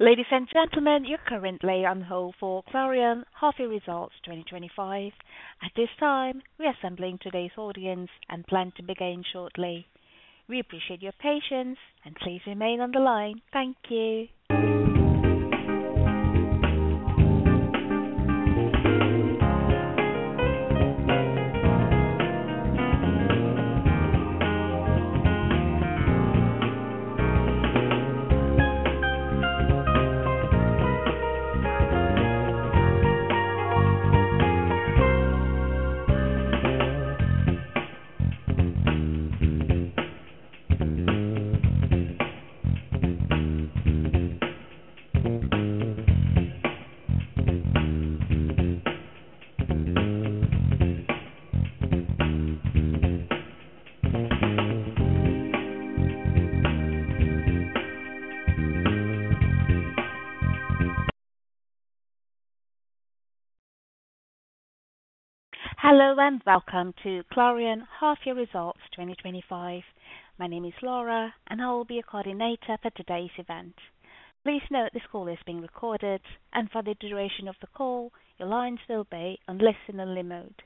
Ladies and gentlemen, you're currently on hold for Clariane Half-Year Results 2025. At this time, we're assembling today's audience and plan to begin shortly. We appreciate your patience and please remain on the line. Thank you. Hello and welcome to Clariane Half-Year Results 2025. My name is Laura and I will be your coordinator for today's event. Please note this call is being recorded and for the duration of the call, your lines will be on listen-only mode.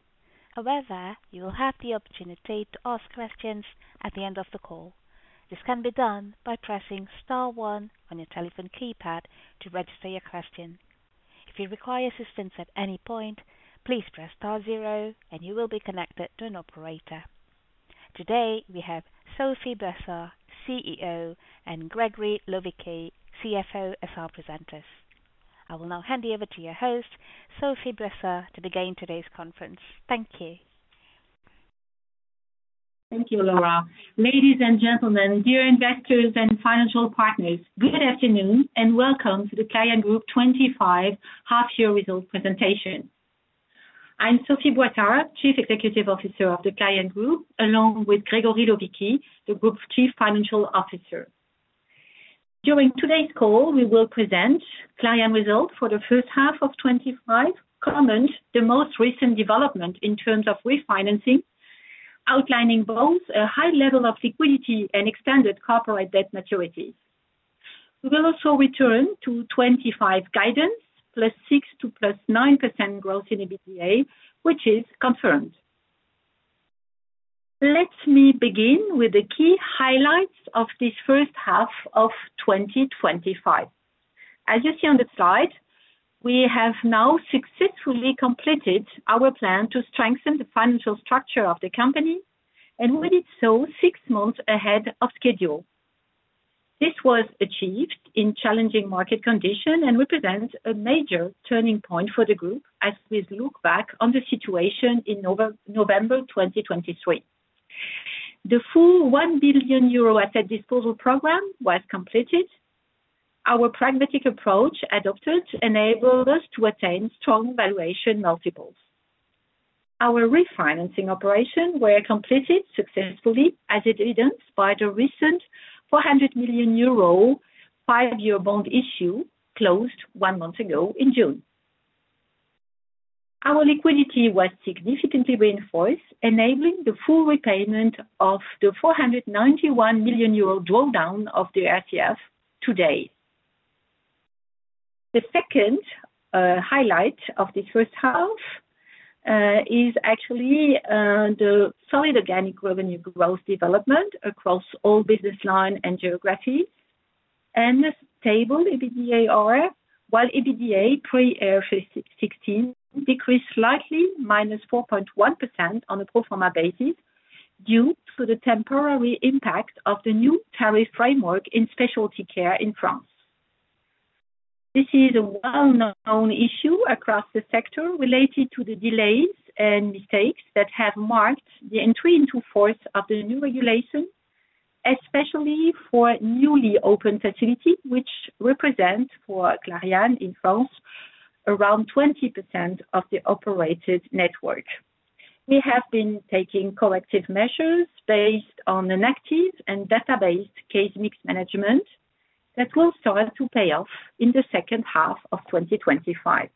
However, you will have the opportunity to ask questions at the end of the call. This can be done by pressing star one on your telephone keypad to register your question. If you require assistance at any point, please press star zero and you will be connected to an operator. Today we have Sophie Boissard, CEO, and Grégory Lovichi, CFO, as our presenters. I will now hand you over to your host, Sophie Boissard, to begin today's conference. Thank you. Thank you, Laura. Ladies and gentlemen, dear investors and financial partners, good afternoon and welcome to the Clariane Group 2025 Half-Year Result Presentation. I'm Sophie Boissard, Chief Executive Officer of the Clariane Group, along with Grégory Lovichi, the Group Chief Financial Officer. During today's call, we will present Clariane results for the first half of 2025, comment on the most recent development in terms of refinancing, outlining both a high level of liquidity and expanded corporate debt maturity. We will also return to 2025 guidance, +6% to +9% growth in EBITDA, which is confirmed. Let me begin with the key highlights of this first half of 2025. As you see on the slide, we have now successfully completed our plan to strengthen the financial structure of the company, and we did so six months ahead of schedule. This was achieved in challenging market conditions and represents a major turning point for the group as we look back on the situation in November 2023. The full €1 billion asset disposal program was completed. Our pragmatic approach adopted enabled us to attain strong valuation multiples. Our refinancing operations were completed successfully, as evidenced by the recent €400 million five-year bond issue closed one month ago in June. Our liquidity was significantly reinforced, enabling the full repayment of the €491 million drawdown of the ETF today. The second highlight of this first half is actually the solid organic revenue growth development across all business lines and geographies, and the stable EBITDA ROI, while EBITDA pre-AR16 decreased slightly, -4.1% on a pro forma basis, due to the temporary impact of the new tariff framework in specialty care in France. This is a well-known issue across the sector related to the delays and mistakes that have marked the entry into force of the new regulation, especially for newly opened facilities, which represent, for Clariane in France, around 20% of the operating network. We have been taking corrective measures based on an active and database case mix management that will start to pay off in the second half of 2025.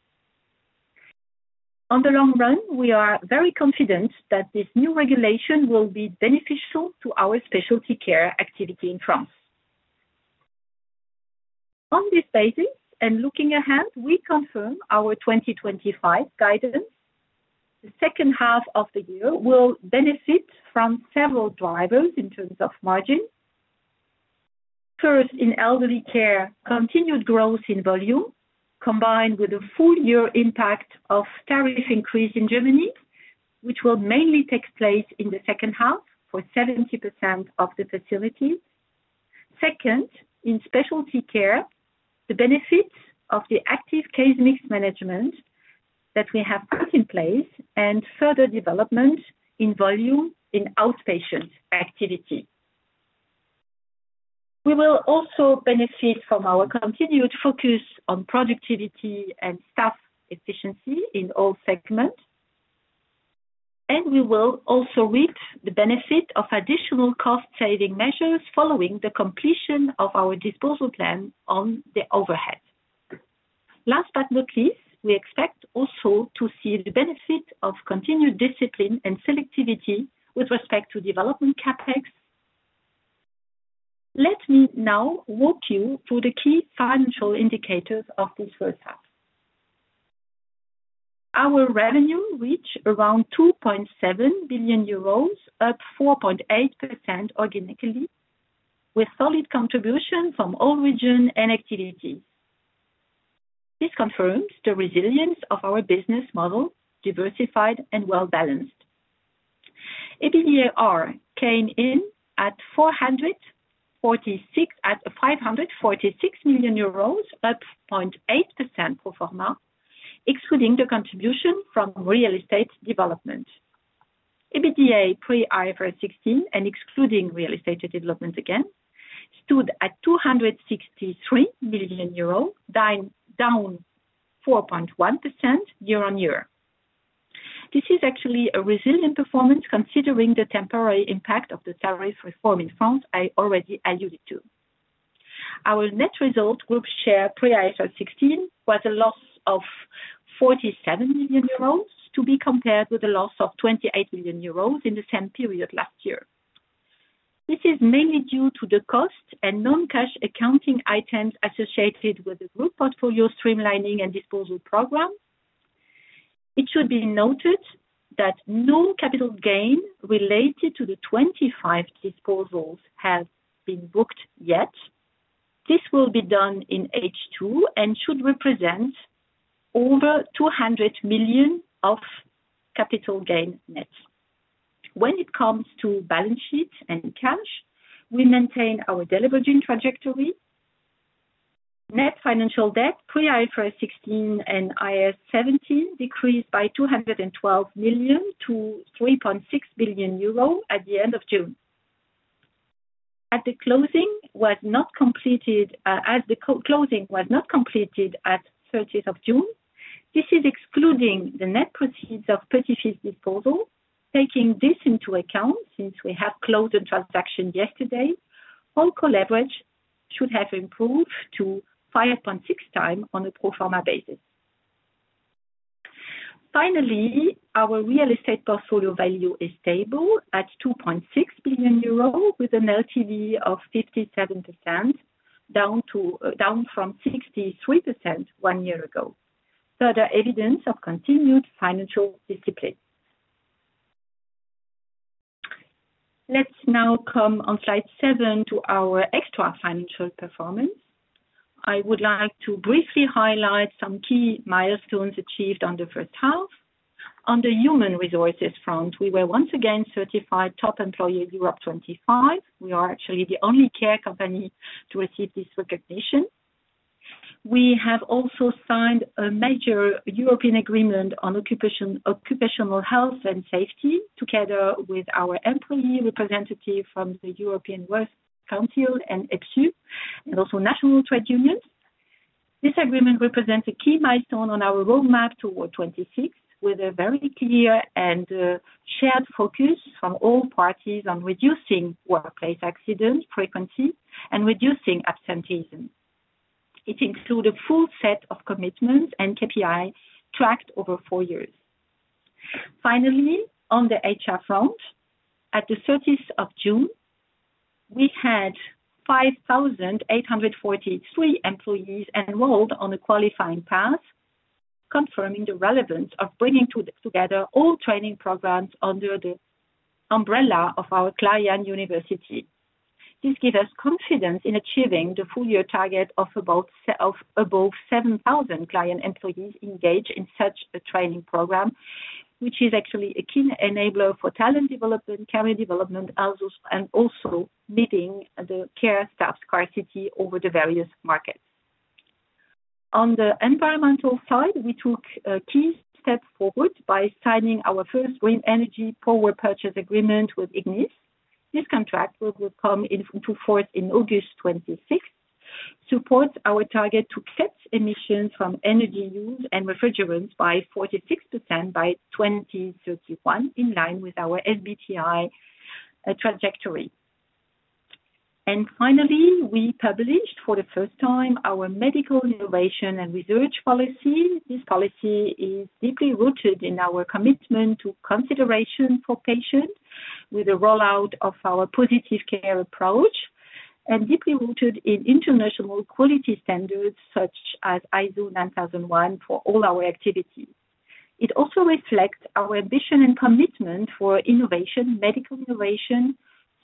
On the long run, we are very confident that this new regulation will be beneficial to our specialty care activity in France. On this basis and looking ahead, we confirm our 2025 guidance. The second half of the year will benefit from several drivers in terms of margins. First, in elderly care, continued growth in volume, combined with the full-year impact of tariff increases in Germany, which will mainly take place in the second half for 70% of the facilities. Second, in specialty care, the benefits of the active case mix management that we have put in place and further development in volume in outpatient activity. We will also benefit from our continued focus on productivity and staff efficiency in all segments. We will also reap the benefit of additional cost-saving measures following the completion of our disposal plan on the overhead. Last but not least, we expect also to see the benefit of continued discipline and selectivity with respect to development CapEx. Let me now walk you through the key financial indicators of this first half. Our revenue reached around €2.7 billion, up 4.8% organically, with solid contributions from all regions and activities. This confirms the resilience of our business model, diversified and well-balanced. EBITDA ROI came in at €546 million, up 0.8% pro forma, excluding the contribution from real estate development. EBITDA pre-AR16, and excluding real estate development again, stood at €263 million, down 4.1% year-on-year. This is actually a resilient performance considering the temporary impact of the tariff reform in France I already alluded to. Our net result group share pre-AR16 was a loss of €47 million to be compared with the loss of €28 million in the same period last year. This is mainly due to the cost and non-cash accounting items associated with the group portfolio streamlining and disposal programme. It should be noted that no capital gain related to the 25 disposals has been booked yet. This will be done in H2 and should represent over €200 million of capital gain net. When it comes to balance sheets and cash, we maintain our delivery trajectory. Net financial debt pre-AR16 and AR17 decreased by €212 million to €3.6 billion at the end of June. As the closing was not completed at June 30th, this is excluding the net proceeds of the 35th disposal. Taking this into account, since we have closed on transaction yesterday, all core leverage should have improved to 5.6x on a pro forma basis. Finally, our real estate portfolio value is stable at €2.6 billion with an LTV of 57%, down from 63% one year ago. Further evidence of continued financial discipline. Let's now come on slide seven to our extra financial performance. I would like to briefly highlight some key milestones achieved on the first half. On the human resources front, we were once again certified top employer of Europe 25. We are actually the only care company to receive this recognition. We have also signed a major European agreement on occupational health and safety, together with our employee representative from the European Work Council and EBSU, and also the National Trade Union. This agreement represents a key milestone on our roadmap towards 2026, with a very clear and shared focus from all parties on reducing workplace accidents frequently and reducing absenteeism. It includes a full set of commitments and KPIs tracked over four years. Finally, on the HR front, at the 30th of June, we had 5,843 employees enrolled on a qualifying path, confirming the relevance of bringing together all training programs under the umbrella of our Clariane University. This gives us confidence in achieving the full-year target of above 7,000 Clariane employees engaged in such a training program, which is actually a key enabler for talent development, career development, and also meeting the care staff's scarcity over the various markets. On the environmental side, we took a key step forward by signing our first green energy power purchase agreement with Ignis. This contract will come into force on August 26th, supporting our target to cut emissions from energy use and refrigerants by 46% by 2031, in line with our SBTI trajectory. Finally, we published for the first time our medical innovation and research policy. This policy is deeply rooted in our commitment to consideration for patients with the rollout of our positive care approach and deeply rooted in international quality standards such as ISO 9001 for all our activities. It also reflects our ambition and commitment for innovation, medical innovation,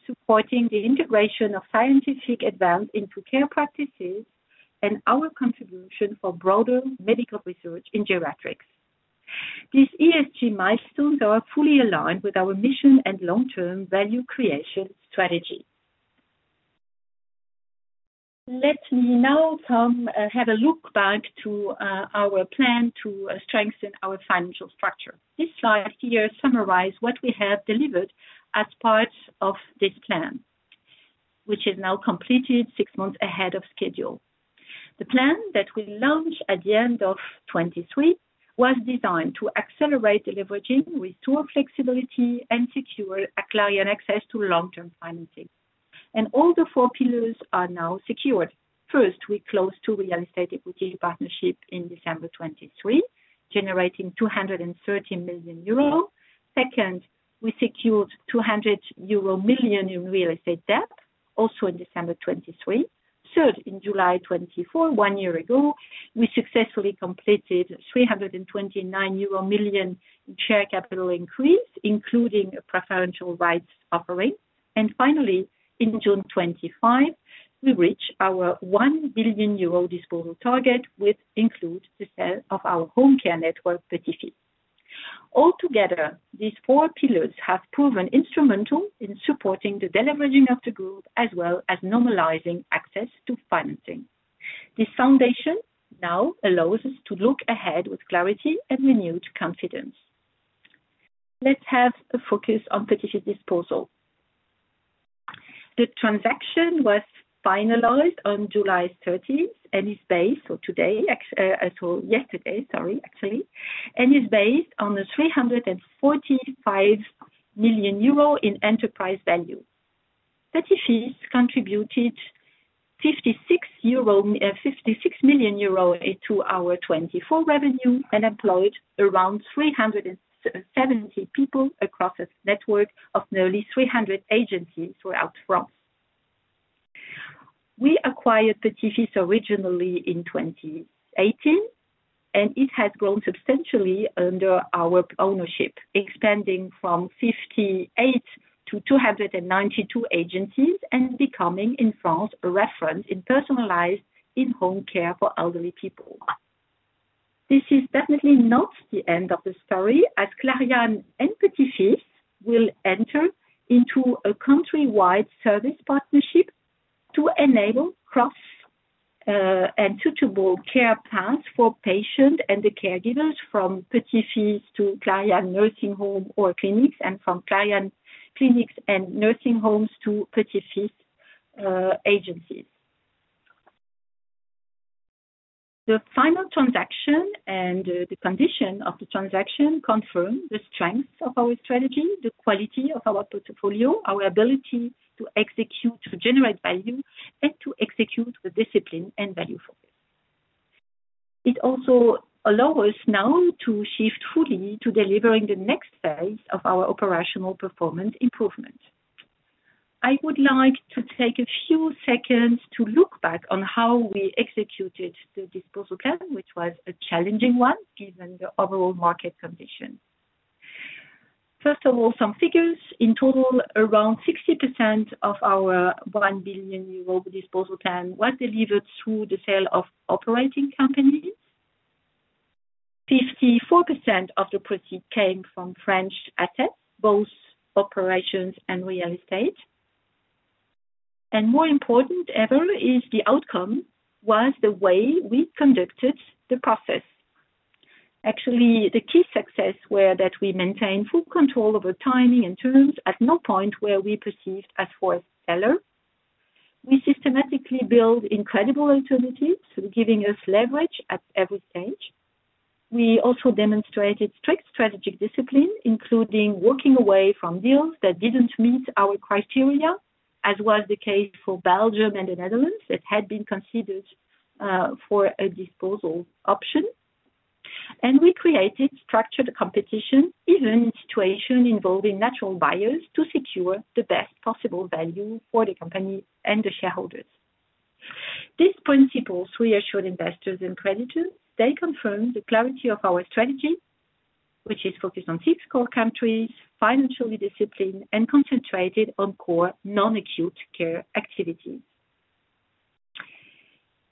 supporting the integration of scientific advances into care practices and our contribution for broader medical research in geriatrics. These ESG milestones are fully aligned with our mission and long-term value creation strategy. Let me now have a look back to our plan to strengthen our financial structure. This slide here summarizes what we have delivered as part of this plan, which is now completed six months ahead of schedule. The plan that we launched at the end of 2023 was designed to accelerate delivery with dual flexibility and secure Clariane access to long-term financing. All the four pillars are now secured. First, we closed two real estate equity partnerships in December 2023, generating €230 million. Second, we secured €200 million in real estate debt, also in December 2023. Third, in July 2024, one year ago, we successfully completed €329 million in share capital increase, including a preferential rights offering. Finally, in June 2025, we reached our €1 billion disposal target, which includes the sale of our home care network, Petits-fils. Altogether, these four pillars have proven instrumental in supporting the delivery of the group, as well as normalizing access to financing. This foundation now allows us to look ahead with clarity and renewed confidence. Let's have a focus on Petits-fils's disposal. The transaction was finalized on July 30th and is based on today, sorry, actually, and is based on €345 million in enterprise value. Petits-fils contributed €56 million to our 2024 revenue and employed around 370 people across a network of nearly 300 agencies throughout France. We acquired Petits-fils originally in 2018, and it has grown substantially under our ownership, expanding from 58 to 292 agencies and becoming, in France, a reference in personalized in-home care for elderly people. This is definitely not the end of the story, as Clariane and Petits-fils will enter into a countrywide service partnership to enable cross-and suitable care plans for patients and the caregivers from Petits-fils to Clariane nursing home or clinics, and from Clariane clinics and nursing homes to Petits-fils agencies. The final transaction and the condition of the transaction confirm the strength of our strategy, the quality of our portfolio, our ability to execute, to generate value, and to execute with discipline and value focus. It also allows us now to shift fully to delivering the next phase of our operational performance improvement. I would like to take a few seconds to look back on how we executed the disposal plan, which was a challenging one given the overall market conditions. First of all, some figures. In total, around 60% of our €1 billion disposal plan was delivered through the sale of operating companies. 54% of the proceeds came from French assets, both operations and real estate. More important than ever is the outcome, was the way we conducted the process. Actually, the key success was that we maintained full control over timing and terms. At no point were we perceived as a foreign seller. We systematically built incredible alternatives, giving us leverage at every stage. We also demonstrated strict strategic discipline, including walking away from deals that didn't meet our criteria, as was the case for Belgium and the Netherlands that had been considered for a disposal option. We created structured competition, even in situations involving natural buyers, to secure the best possible value for the company and the shareholders. These principles reassured investors and creditors. They confirmed the clarity of our strategy, which is focused on six core countries, financially disciplined, and concentrated on core non-acute care activity.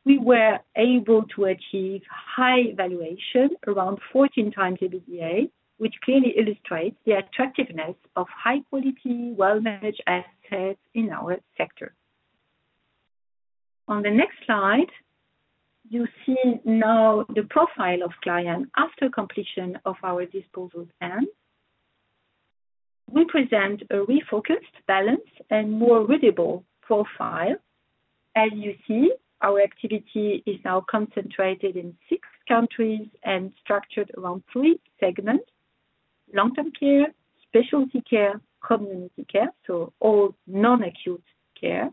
We were able to achieve high valuation, around 14x EBITDA, which clearly illustrates the attractiveness of high-quality, well-managed assets in our sector. On the next slide, you see now the profile of Clariane after completion of our disposal plan. We present a refocused, balanced, and more readable profile. As you see, our activity is now concentrated in six countries and structured around three segments: long-term care, specialty care, and community care, all non-acute care.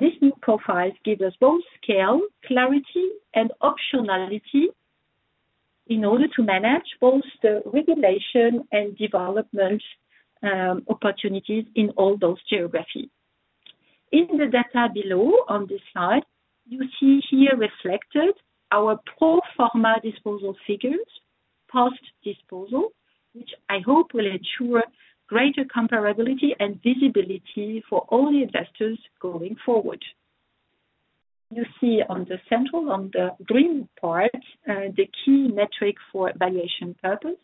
This new profile gives us both scale, clarity, and optionality in order to manage both the regulation and development opportunities in all those geographies. In the data below on this slide, you see here reflected our pro forma disposal figures post-disposal, which I hope will ensure greater comparability and visibility for all the investors going forward. You see on the central, on the green part, the key metric for evaluation purpose,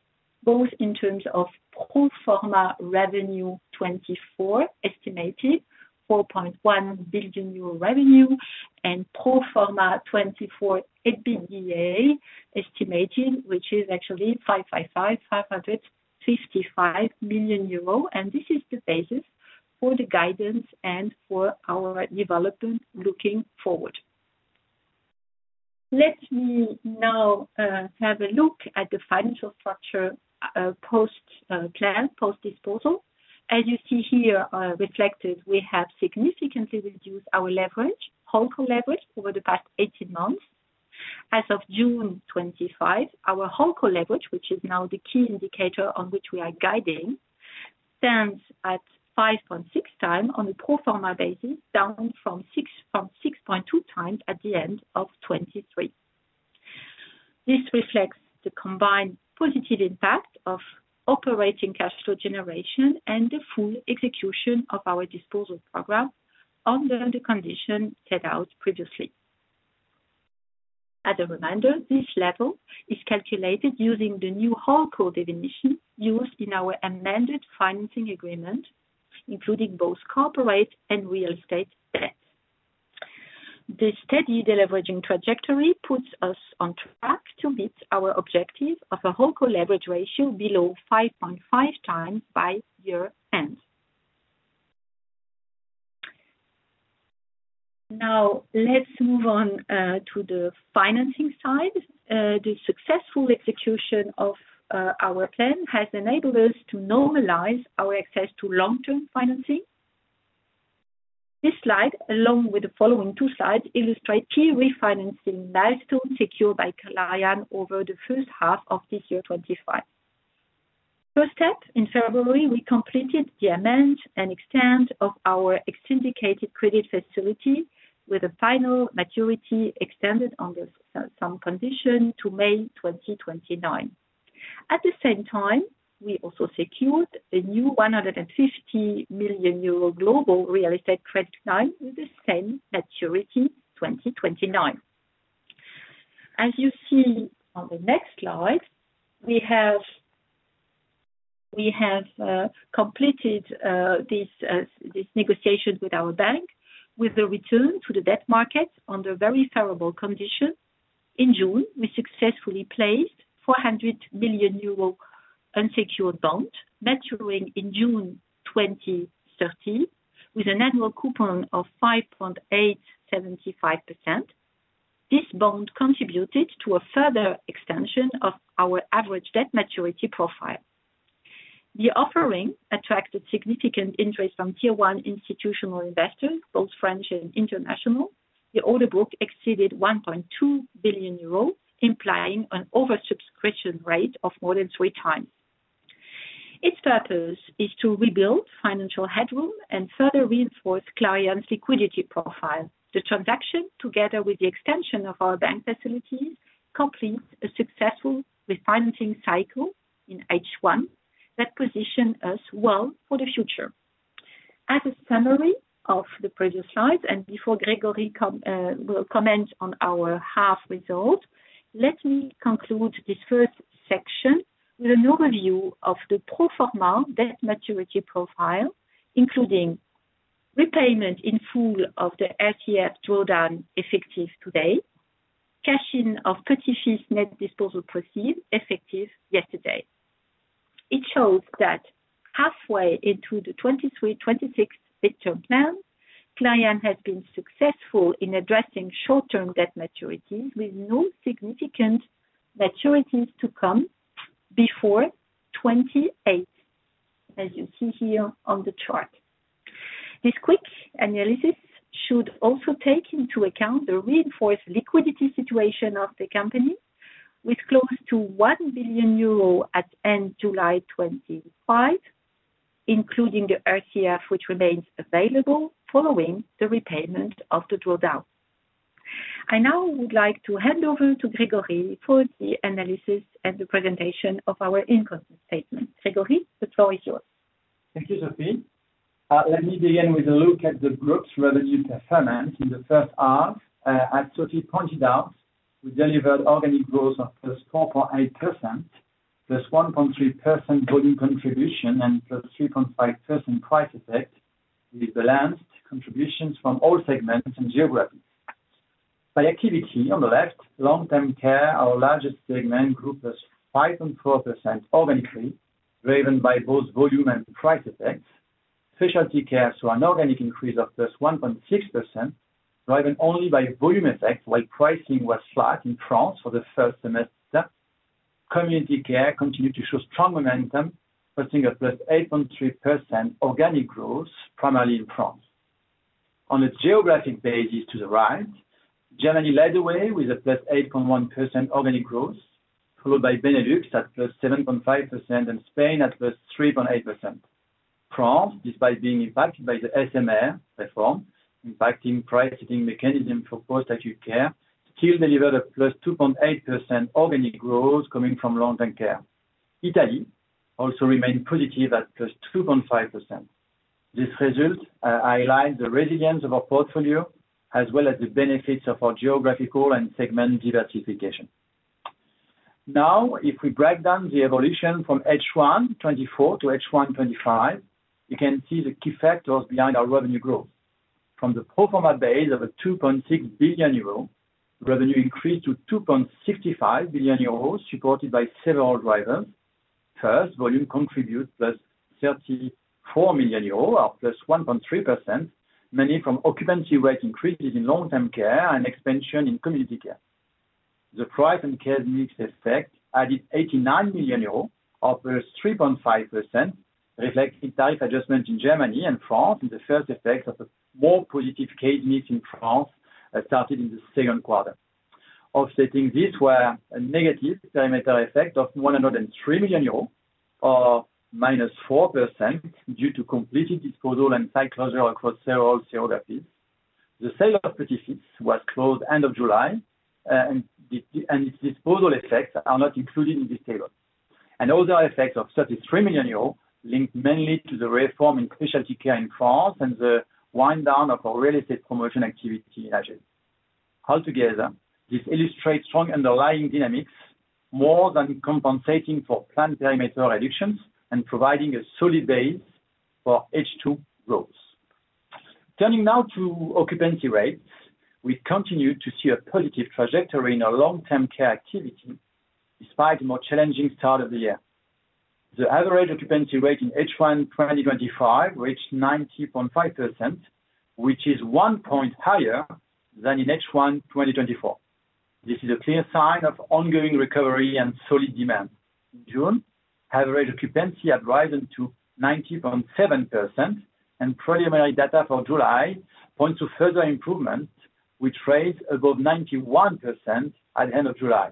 both in terms of pro forma revenue 2024 estimated, €4.1 billion revenue, and pro forma 2024 EBITDA estimated, which is actually €555 million. This is the basis for the guidance and for our development looking forward. Let me now have a look at the financial structure post-plan, post-disposal. As you see here reflected, we have significantly reduced our leverage, whole core leverage, over the past 18 months. As of June 2025, our whole core leverage, which is now the key indicator on which we are guiding, stands at 5.6x on a pro forma basis, down from 6.2x at the end of 2023. This reflects the combined positive impact of operating cash flow generation and the full execution of our disposal program under the conditions set out previously. As a reminder, this level is calculated using the new whole core definition used in our amended financing agreement, including both corporate and real estate debt. The steady delivering trajectory puts us on track to meet our objective of a whole core leverage ratio below 5.5x by year-end. Now, let's move on to the financing side. The successful execution of our plan has enabled us to normalize our access to long-term financing. This slide, along with the following two slides, illustrates key refinancing milestones secured by Clariane over the first half of this year 2025. First step, in February, we completed the amend and extend of our ex syndicated credit facility with a final maturity extended under some conditions to May 2029. At the same time, we also secured a new €150 million global real estate credit plan with the same maturity 2029. As you see on the next slide, we have completed these negotiations with our bank, with the return to the debt market under very favorable conditions. In June, we successfully placed €400 million unsecured bonds, maturing in June 2031 with an annual coupon of 5.875%. This bond contributed to a further extension of our average debt maturity profile. The offering attracted significant interest from tier-one institutional investors, both French and international. The order book exceeded €1.2 billion, implying an oversubscription rate of more than 3x. Its purpose is to rebuild financial headroom and further reinforce Clariane's liquidity profile. The transaction, together with the extension of our bank facility, completes a successful refinancing cycle in H1 that positions us well for the future. As a summary of the previous slides, and before Grégory will comment on our half-year results, let me conclude this first section with a new review of the pro forma debt maturity profile, including repayment in full of the ETF drawdown effective today, cashing of Petits-fils's net disposal proceeds effective yesterday. It shows that halfway into the 2026 midterm plan, Clariane has been successful in addressing short-term debt maturity with no significant maturities to come before 2028, as you see here on the chart. This quick analysis should also take into account the reinforced liquidity situation of the company, with close to €1 billion at end July 2025, including the ETF which remains available following the repayment of the drawdown. I now would like to hand over to Grégory for the analysis and the presentation of our income statement. Grégory, the floor is yours. Thank you, Sophie. Let me begin with a look at the group's revenue performance in the first half. As Sophie pointed out, we delivered organic growth of 4.8%, +1.3% volume contribution, and +3.5% price effect, with the lowest contributions from all segments and geographies. By activity, on the left, long-term care, our largest segment, grew +5.4% organically, driven by both volume and price effects. Specialty care saw an organic increase of +1.6%, driven only by volume effects, while pricing was flat in France for the first semester. Community care continued to show strong momentum, resulting in +8.3% organic growth, primarily in France. On the geographic basis to the right, Germany led the way with a +8.1% organic growth, followed by Benelux at +7.5% and Spain at +3.8%. France, despite being impacted by the SMR reform, impacting pricing mechanisms for post-acute care, still delivered a +2.8% organic growth coming from long-term care. Italy also remained positive at +2.5%. This result highlights the resilience of our portfolio, as well as the benefits of our geographical and segment diversification. Now, if we break down the evolution from H1 2024 to H1 2025, you can see the key factors behind our revenue growth. From the pro forma base of €2.6 billion, revenue increased to €2.65 billion, supported by several drivers. First, volume contributed +€34 million, or +1.3%, mainly from occupancy rate increases in long-term care and expansion in community care. The price and case mix effect added €89 million, or +3.5%, reflecting tariff adjustments in Germany and France in the first effect of a more positive case mix in France started in the second quarter. Offsetting this was a negative perimeter effect of €103 million, or -4%, due to completed disposal and site closure across several geographies. The sale of Petits-fils was closed end of July, and its disposal effects are not included in this table. Other effects of €33 million linked mainly to the reform in specialty care in France and the wind-down of our real estate promotion activity in Alger. Altogether, this illustrates strong underlying dynamics, more than compensating for planned perimeter reductions and providing a solid base for H2 growth. Turning now to occupancy rates, we continue to see a positive trajectory in our long-term care activity, despite a more challenging start of the year. The average occupancy rate in H1 2025 reached 90.5%, which is one point higher than in H1 2024. This is a clear sign of ongoing recovery and solid demand. In June, average occupancy had risen to 90.7%, and preliminary data for July points to further improvement, which raised above 91% at the end of July.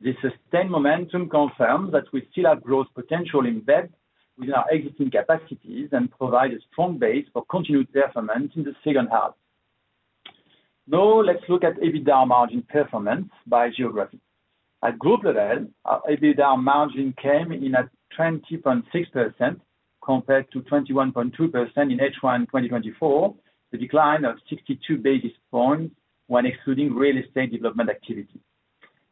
This sustained momentum confirms that we still have growth potential in bed within our existing capacities and provides a strong base for continued performance in the second half. Now, let's look at EBITDA margin performance by geography. At group level, our EBITDA margin came in at 20.6% compared to 21.2% in H1 2024, a decline of 62 basis points when excluding real estate development activity.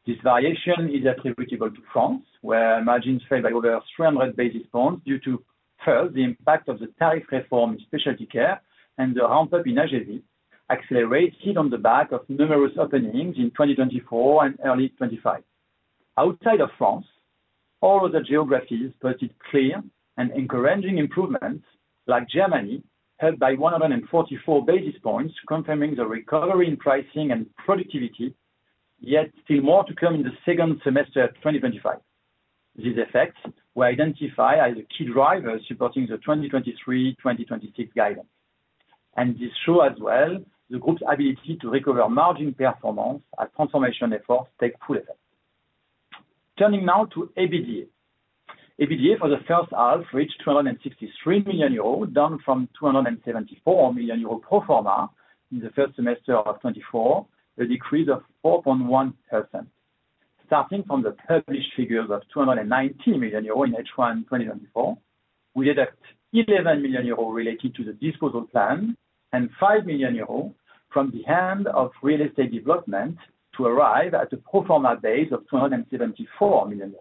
This variation is attributable to France, where margins fell by over 300 basis points due to, first, the impact of the tariff reform in specialty care and the ramp-up in Alger, accelerated on the back of numerous openings in 2024 and early 2025. Outside of France, all other geographies posted clear and encouraging improvements, like Germany, held by 144 basis points, confirming the recovery in pricing and productivity, yet still more to come in the second semester of 2025. These effects were identified as a key driver supporting the 2023-2026 guidance. This showed as well the group's ability to recover margin performance as transformation efforts take full effect. Turning now to EBITDA. EBITDA for the first half reached €263 million, down from €274 million pro forma in the first semester of 2024, a decrease of 4.1%. Starting from the published figures of €219 million in H1 2024, we had €11 million related to the disposal plan and €5 million from the hand of real estate development to arrive at a pro forma base of €274 million.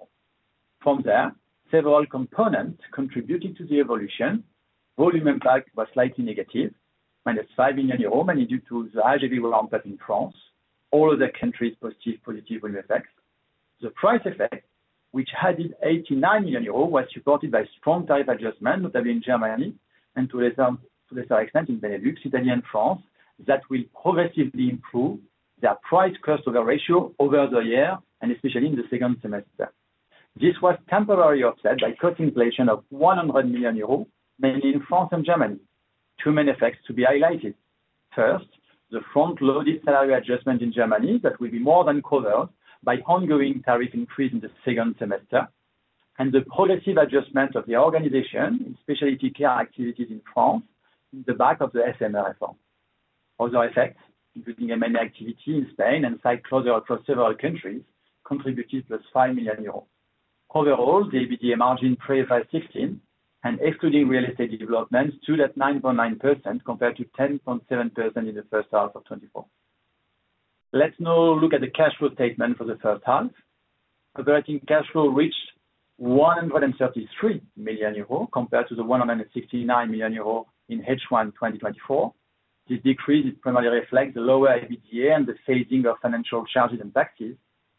From there, several components contributed to the evolution. Volume impact was slightly negative, -€5 million, mainly due to the Alger ramp-up in France. All other countries posted positive volume effects. The price effect, which had hit €89 million, was supported by strong tariff adjustments, notably in Germany and to a lesser extent in Benelux, Italy, and France, that will progressively improve their price-cost over ratio over the year, and especially in the second semester. This was temporarily offset by cost inflation of €100 million, mainly in France and Germany. Two main effects to be highlighted. First, the front-loaded salary adjustment in Germany that will be more than covered by ongoing tariff increase in the second semester, and the progressive adjustment of the organization in specialty care activities in France on the back of the SMR reform. Other effects, including M&A activity in Spain and site closure across several countries, contributed +€5 million. Overall, the EBITDA margin pre-AR16, and excluding real estate developments, stood at 9.9% compared to 10.7% in the first half of 2024. Let's now look at the cash flow statement for the first half. Operating cash flow reached €133 million compared to the €169 million in H1 2024. This decrease is primarily reflected in the lower EBITDA and the phasing of financial charges and taxes,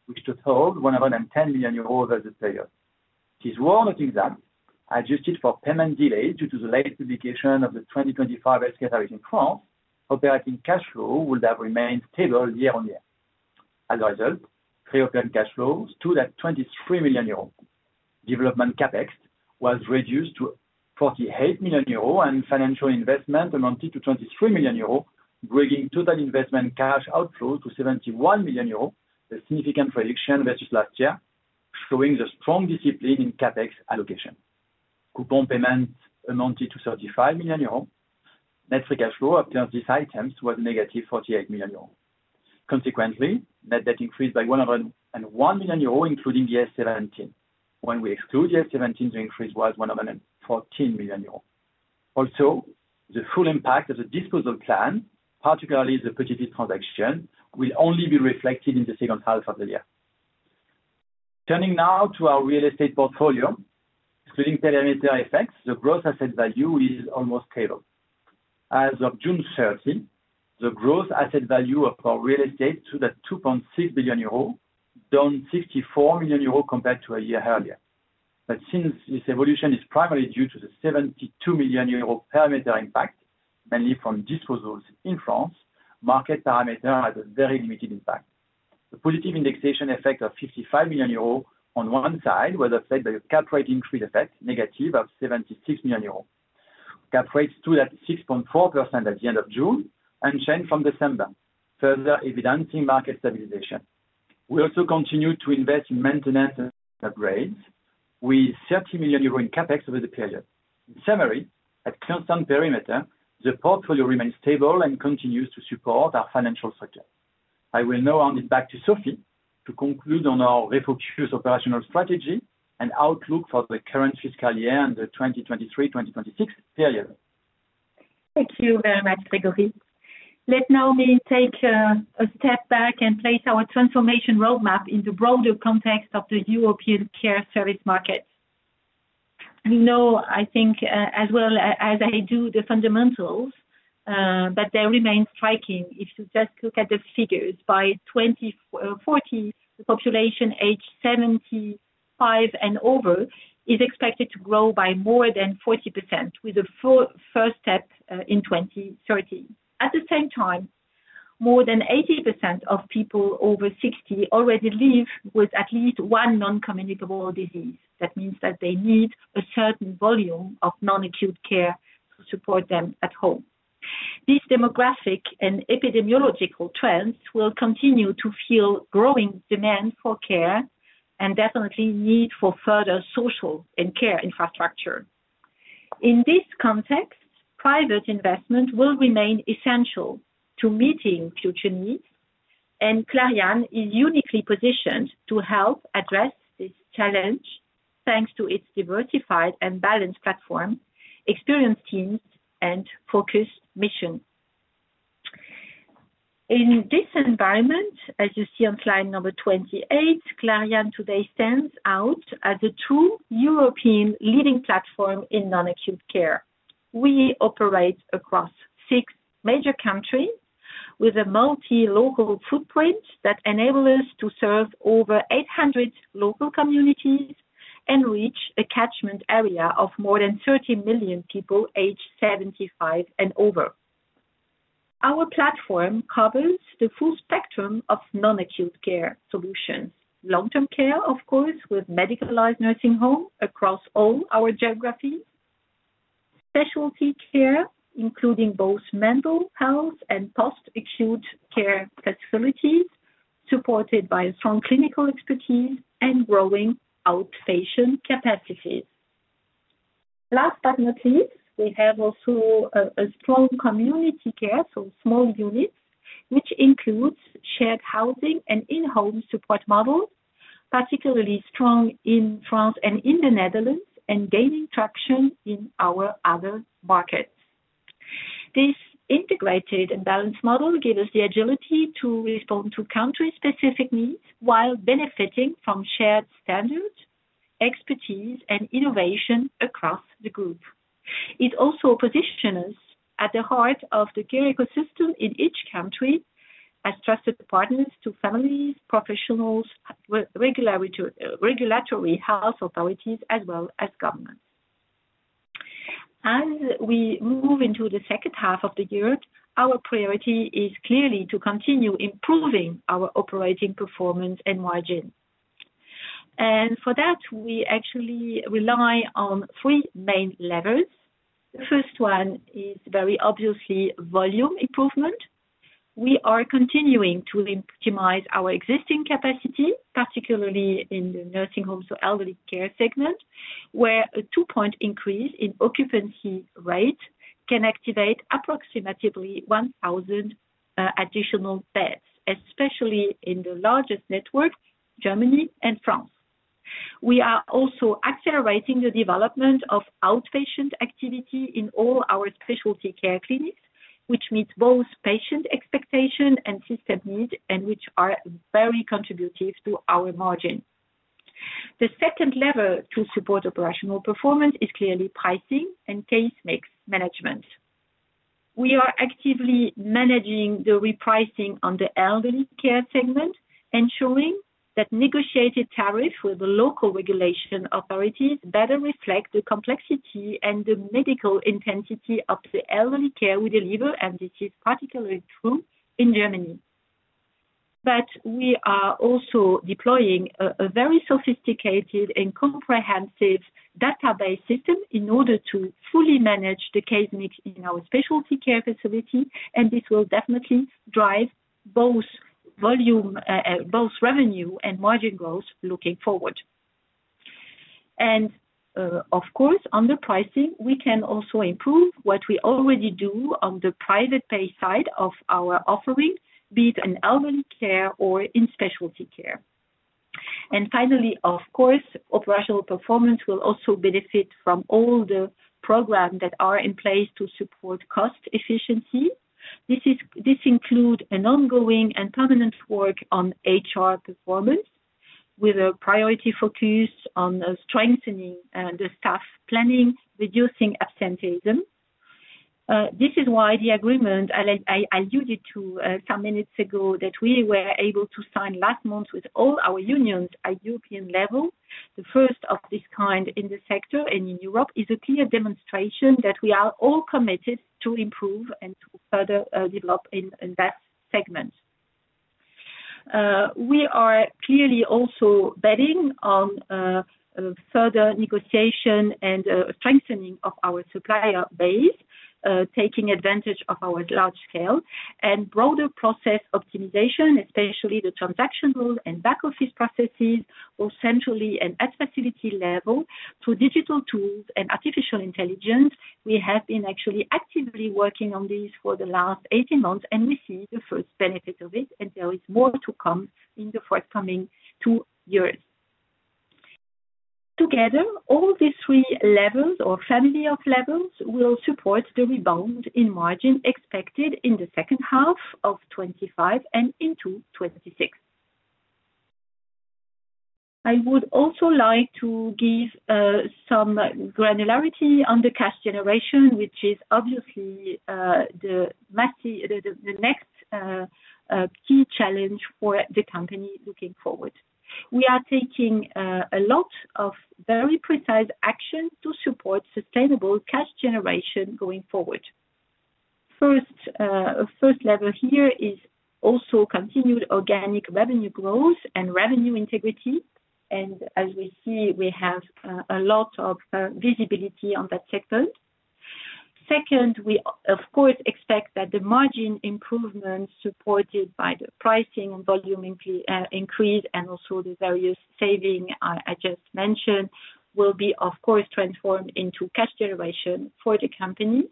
which took hold €110 million over the period. It is worth noting that, adjusted for payment delays due to the late publication of the 2025 ESG targets in France, operating cash flow would have remained stable year-on-year. As a result, pre-open cash flow stood at €23 million. Development CapEx was reduced to €48 million, and financial investment amounted to €23 million, bringing total investment cash outflow to €71 million, a significant reduction versus last year, showing the strong discipline in CapEx allocation. Coupon payments amounted to €35 million. Net free cash flow of 35 items was -€48 million. Consequently, net debt increased by €101 million, including the S17. When we exclude the S17, the increase was €114 million. Also, the full impact of the disposal plan, particularly the Petits-fils transaction, will only be reflected in the second half of the year. Turning now to our real estate portfolio, excluding perimeter effects, the gross asset value is almost stable. As of June 30, the gross asset value of our real estate stood at €2.6 billion, down €64 million compared to a year earlier. Since this evolution is primarily due to the €72 million perimeter impact, mainly from disposals in France, market parameters had a very limited impact. The positive indexation effect of €55 million on one side was offset by the cap rate increase effect, negative of €76 million. Cap rates stood at 6.4% at the end of June, unchanged from December, further evidencing market stabilization. We also continued to invest in maintenance and upgrades, with €30 million in CapEx over the period. In summary, at constant perimeter, the portfolio remains stable and continues to support our financial structure. I will now hand it back to Sophie to conclude on our refocused operational strategy and outlook for the current fiscal year and the 2023-2026 period. Thank you very much, Grégory. Let me now take a step back and place our transformation roadmap in the broader context of the European care service market. You know, I think, as well as I do, the fundamentals, but they remain striking. If you just look at the figures, by 2040, the population aged 75 and over is expected to grow by more than 40% with the first step in 2030. At the same time, more than 80% of people over 60 already live with at least one non-communicable disease. That means that they need a certain volume of non-acute care to support them at home. These demographic and epidemiological trends will continue to fuel growing demand for care and definitely the need for further social and care infrastructure. In this context, private investment will remain essential to meeting future needs, and Clariane is uniquely positioned to help address this challenge thanks to its diversified and balanced platform, experienced teams, and focused mission. In this environment, as you see on slide number 28, Clariane today stands out as the true European leading platform in non-acute care. We operate across six major countries with a multi-local footprint that enables us to serve over 800 local communities and reach a catchment area of more than 30 million people aged 75 and over. Our platform covers the full spectrum of non-acute care solutions. Long-term care, of course, with medicalized nursing homes across all our geographies. Specialty care, including both mental health and post-acute care facilities, supported by strong clinical expertise and growing outpatient capacity. Last but not least, we have also a strong community care, so small units, which includes shared housing and in-home support models, particularly strong in France and in the Netherlands, and gaining traction in our other markets. This integrated and balanced model gives us the agility to respond to country-specific needs while benefiting from shared standards, expertise, and innovation across the group. It also positions us at the heart of the care ecosystem in each country as trusted partners to families, professionals, regulatory health authorities, as well as government. As we move into the second half of the year, our priority is clearly to continue improving our operating performance and margins. For that, we actually rely on three main levers. The first one is very obviously volume improvement. We are continuing to optimize our existing capacity, particularly in the nursing homes or elderly care segment, where a 2% increase in occupancy rate can activate approximately 1,000 additional beds, especially in the largest networks, Germany and France. We are also accelerating the development of outpatient activity in all our specialty care clinics, which meets both patient expectations and system needs, and which are very contributing to our margins. The second lever to support operational performance is clearly pricing and case mix management. We are actively managing the repricing on the elderly care segment, ensuring that negotiated tariffs with the local regulation authorities better reflect the complexity and the medical intensity of the elderly care we deliver, and this is particularly true in Germany. We are also deploying a very sophisticated and comprehensive database system in order to fully manage the case mix in our specialty care facility, and this will definitely drive both revenue and margin growth looking forward. Of course, under pricing, we can also improve what we already do on the private pay side of our offering, be it in elderly care or in specialty care. Finally, operational performance will also benefit from all the programs that are in place to support cost efficiency. This includes an ongoing and permanent work on HR performance, with a priority focus on strengthening the staff planning, reducing absenteeism. This is why the agreement I alluded to some minutes ago that we were able to sign last month with all our unions at the European level, the first of this kind in the sector and in Europe, is a clear demonstration that we are all committed to improve and to further develop in that segment. We are clearly also betting on further negotiation and strengthening of our supplier base, taking advantage of our large scale and broader process optimization, especially the transactional and back-office processes, or centrally and at facility level through digital tools and artificial intelligence. We have been actually actively working on this for the last 18 months, and we see the first benefits of it, and there is more to come in the forthcoming two years. Together, all these three levels or family of levels will support the rebound in margin expected in the second half of 2025 and into 2026. I would also like to give some granularity on the cash generation, which is obviously the next key challenge for the company looking forward. We are taking a lot of very precise action to support sustainable cash generation going forward. The first lever here is also continued organic revenue growth and revenue integrity. As we see, we have a lot of visibility on that sector. Second, we, of course, expect that the margin improvements supported by the pricing and volume increase and also the various savings I just mentioned will be, of course, transformed into cash generation for the company.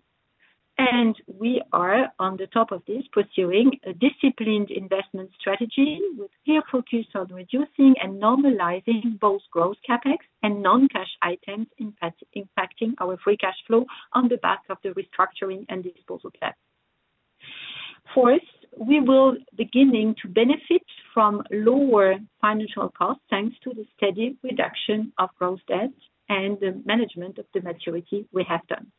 We are, on top of this, pursuing a disciplined investment strategy with a clear focus on reducing and normalizing both gross CapEx and non-cash items impacting our free cash flow on the back of the restructuring and disposal plan. Fourth, we will begin to benefit from lower financial costs thanks to the steady reduction of gross debt and the management of the maturity we have done.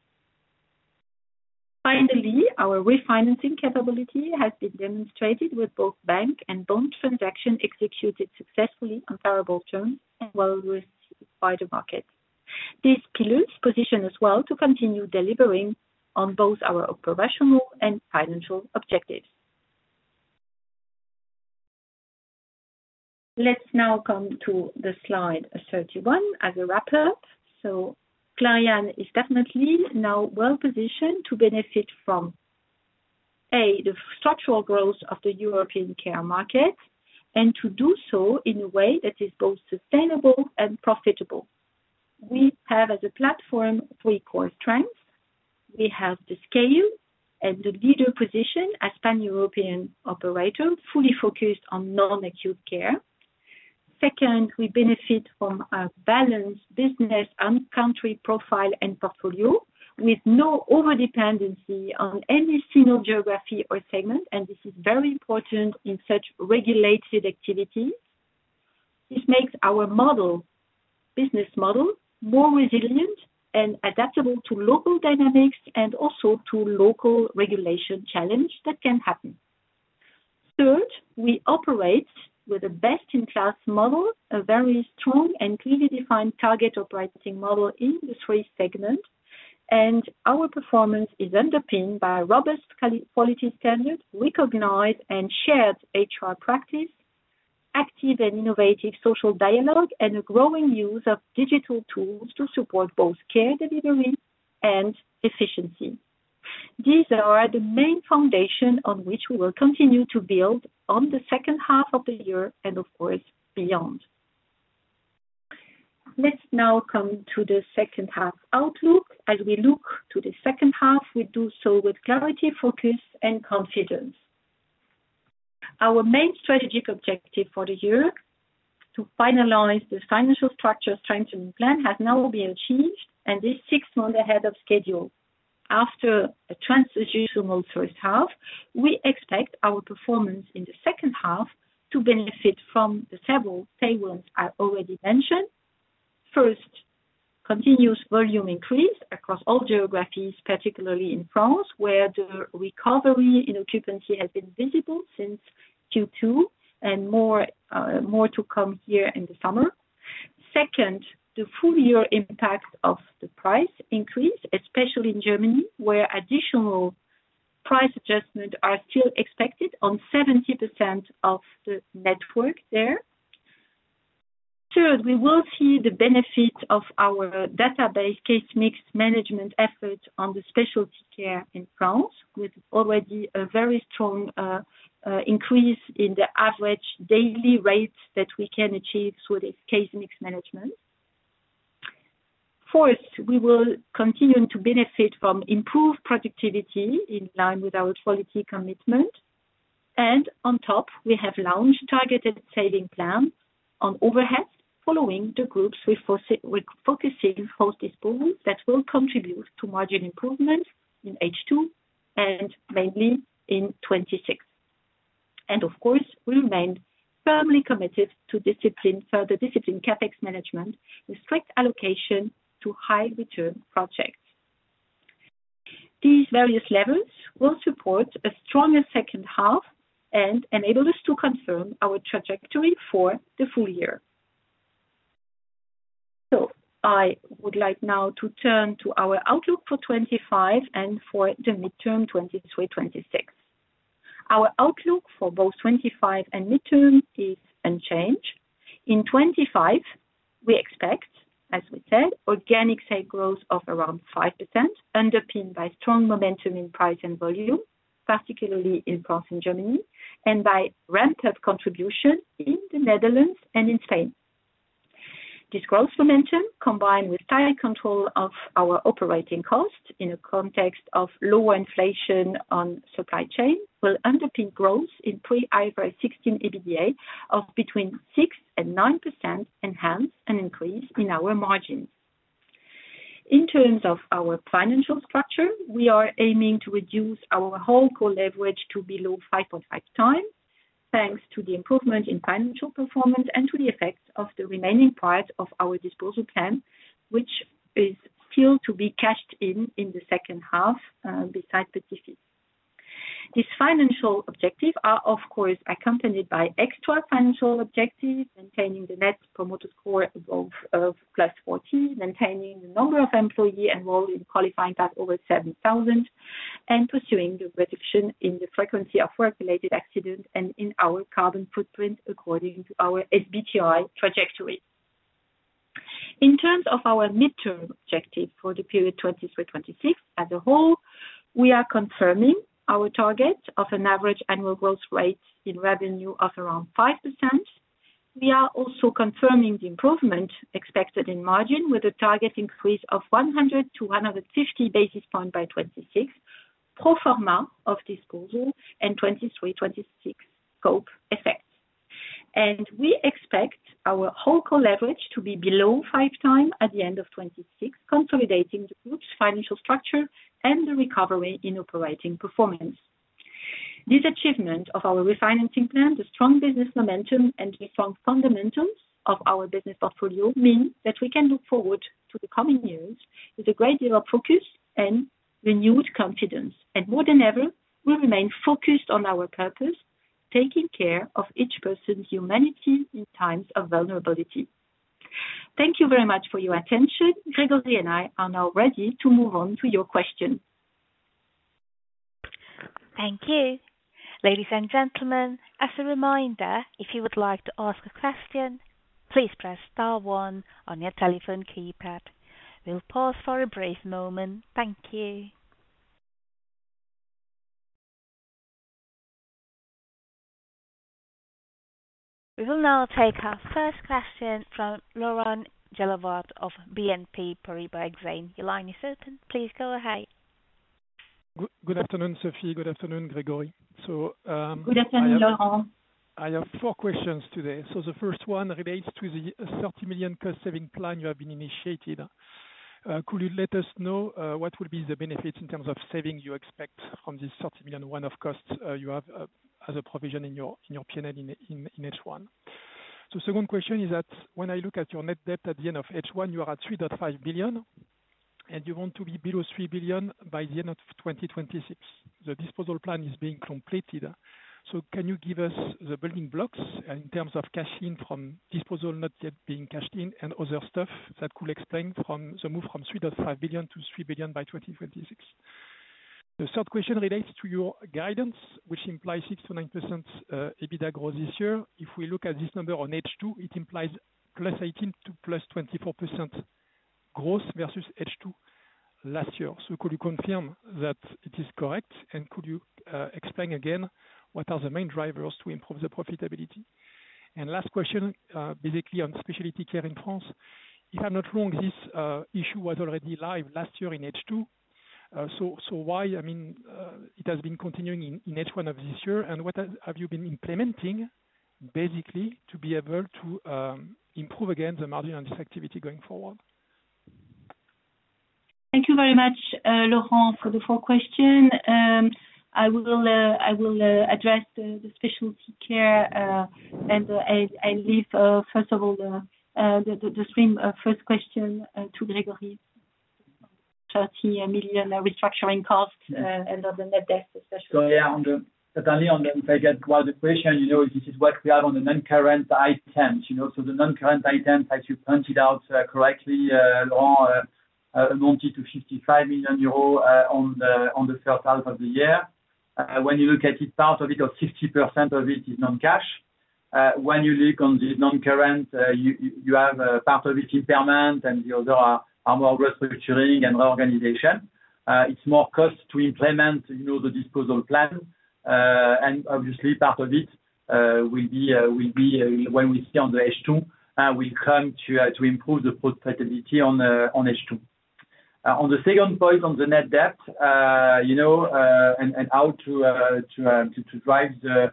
Finally, our refinancing capability has been demonstrated with both bank and bond transactions executed successfully on comparable terms and well-received by the market. These pillars position us well to continue delivering on both our operational and financial objectives. Let's now come to slide 31 as a wrap-up. Clariane is definitely now well-positioned to benefit from, A, the structural growth of the European care market, and to do so in a way that is both sustainable and profitable. We have as a platform three core strengths. We have the scale and the leader position as a pan-European operator, fully focused on non-acute care. Second, we benefit from a balanced business and country profile and portfolio, with no overdependency on any single geography or segment, and this is very important in such regulated activity. This makes our business model more resilient and adaptable to local dynamics and also to local regulation challenges that can happen. Third, we operate with a best-in-class model, a very strong and clearly defined target operating model in the three segments, and our performance is underpinned by a robust quality standard, recognized and shared HR practice, active and innovative social dialogue, and a growing use of digital tools to support both care delivery and efficiency. These are the main foundations on which we will continue to build on the second half of the year and, of course, beyond. Let's now come to the second half outlook. As we look to the second half, we do so with clarity, focus, and confidence. Our main strategic objective for the year, to finalize the financial structure strengthening plan, has now been achieved and is six months ahead of schedule. After a transitional first half, we expect our performance in the second half to benefit from the several paywalls I already mentioned. First, continuous volume increase across all geographies, particularly in France, where the recovery in occupancy has been visible since Q2, and more to come here in the summer. Second, the full-year impact of the price increase, especially in Germany, where additional price adjustments are still expected on 70% of the network there. Third, we will see the benefit of our database case mix management efforts on the specialty care in France, with already a very strong increase in the average daily rate that we can achieve through this case mix management. Fourth, we will continue to benefit from improved productivity in line with our quality commitment. On top, we have launched a targeted saving plan on overheads following the groups we're focusing on post-disposal that will contribute to margin improvements in H2 and mainly in 2026. Of course, we remain firmly committed to further discipline CapEx management, a strict allocation to high-return projects. These various levers will support a stronger second half and enable us to confirm our trajectory for the full year. I would like now to turn to our outlook for 2025 and for the midterm 2023-2026. Our outlook for both 2025 and midterm is unchanged. In 2025, we expect, as we said, organic sale growth of around 5%, underpinned by strong momentum in price and volume, particularly in France and Germany, and by ramp-up contributions in the Netherlands and in Spain. This growth momentum, combined with tighter control of our operating costs in a context of lower inflation on supply chain, will underpin growth in pre-AR16 EBITDA of between 6% and 9%, enhanced an increase in our margins. In terms of our financial structure, we are aiming to reduce our whole core leverage to below 5.5x, thanks to the improvement in financial performance and to the effects of the remaining part of our disposal plan, which is still to be cashed in in the second half beside Petits-fils. These financial objectives are, of course, accompanied by extra financial objectives, maintaining the net promoter score above +40, maintaining the number of employees enrolled in qualifying paths over 7,000, and pursuing the reduction in the frequency of work-related accidents and in our carbon footprint according to our SBTI trajectory. In terms of our midterm objective for the period 2023-2026 as a whole, we are confirming our target of an average annual growth rate in revenue of around 5%. We are also confirming the improvement expected in margin, with a target increase of 100 to 150 basis points by 2026, pro forma of disposal and 2023-2026 scope effects. We expect our whole core leverage to be below 5x at the end of 2026, consolidating the group's financial structure and the recovery in operating performance. This achievement of our refinancing plan, the strong business momentum, and the strong fundamentals of our business portfolio mean that we can look forward to the coming years with a great deal of focus and renewed confidence. More than ever, we remain focused on our purpose, taking care of each person's humanity in times of vulnerability. Thank you very much for your attention. Grégory and I are now ready to move on to your questions. Thank you. Ladies and gentlemen, as a reminder, if you would like to ask a question, please press star one on your telephone keypad. We'll pause for a brief moment. Thank you. We will now take our first question from Laurent Guillemard of BNP Paribas Exchange. Your line is open. Please go ahead. Good afternoon, Sophie. Good afternoon, Grégory. Good afternoon, Laurent. I have four questions today. The first one relates to the €30 million cost-saving plan you have initiated. Could you let us know what will be the benefits in terms of savings you expect from this €30 million of costs you have as a provision in your P&L in H1? The second question is that when I look at your net debt at the end of H1, you are at €3.5 billion, and you want to be below €3 billion by the end of 2026. The disposal plan is being completed. Can you give us the building blocks in terms of cash in from disposal not yet being cashed in and other stuff that will explain the move from €3.5 billion to €3 billion by 2026? The third question relates to your guidance, which implies 6% to 9% EBITDA growth this year. If we look at this number on H2, it implies +18% to +24% growth versus H2 last year. Could you confirm that it is correct? Could you explain again what are the main drivers to improve the profitability? Last question, basically on specialty care in France. If I'm not wrong, this issue was already alive last year in H2. Why has it been continuing in H1 of this year? What have you been implementing, basically, to be able to improve again the margin on this activity going forward? Thank you very much, Laurent, for the four questions. I will address the specialty care, and I leave, first of all, the same first question to Grégory. €30 million restructuring costs and of the net debt, especially. On the non-current items, as you pointed out correctly, Laurent, amounted to €55 million in the first half of the year. When you look at it, part of it, or 60%, is non-cash. When you look on this non-current, you have part of it in payment and the other are more restructuring and reorganization. It's more cost to implement the disposal plan. Obviously, part of it will be, when we see on the H2, will come to improve the profitability on H2. On the second point, on the net debt and how to drive the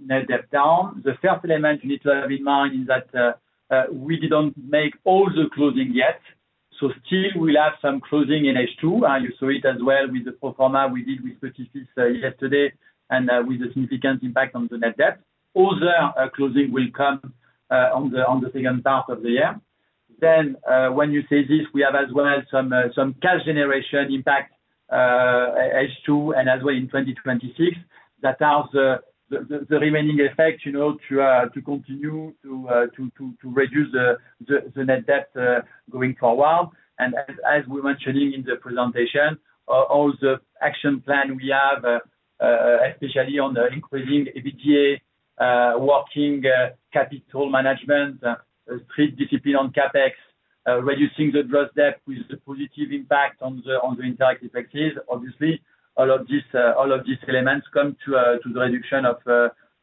net debt down, the first element you need to have in mind is that we didn't make all the closing yet. Still, we'll have some closing in H2. You saw it as well with the pro forma we did with Petits-fils yesterday and with a significant impact on the net debt. Other closing will come on the second part of the year. We have as well some cash generation impact H2 and as well in 2026. That are the remaining effects to continue to reduce the net debt going forward. As we were mentioning in the presentation, all the action plan we have, especially on increasing EBITDA, working capital management, strict discipline on CapEx, reducing the gross debt with a positive impact on the interactive activities. Obviously, all of these elements come to the reduction of,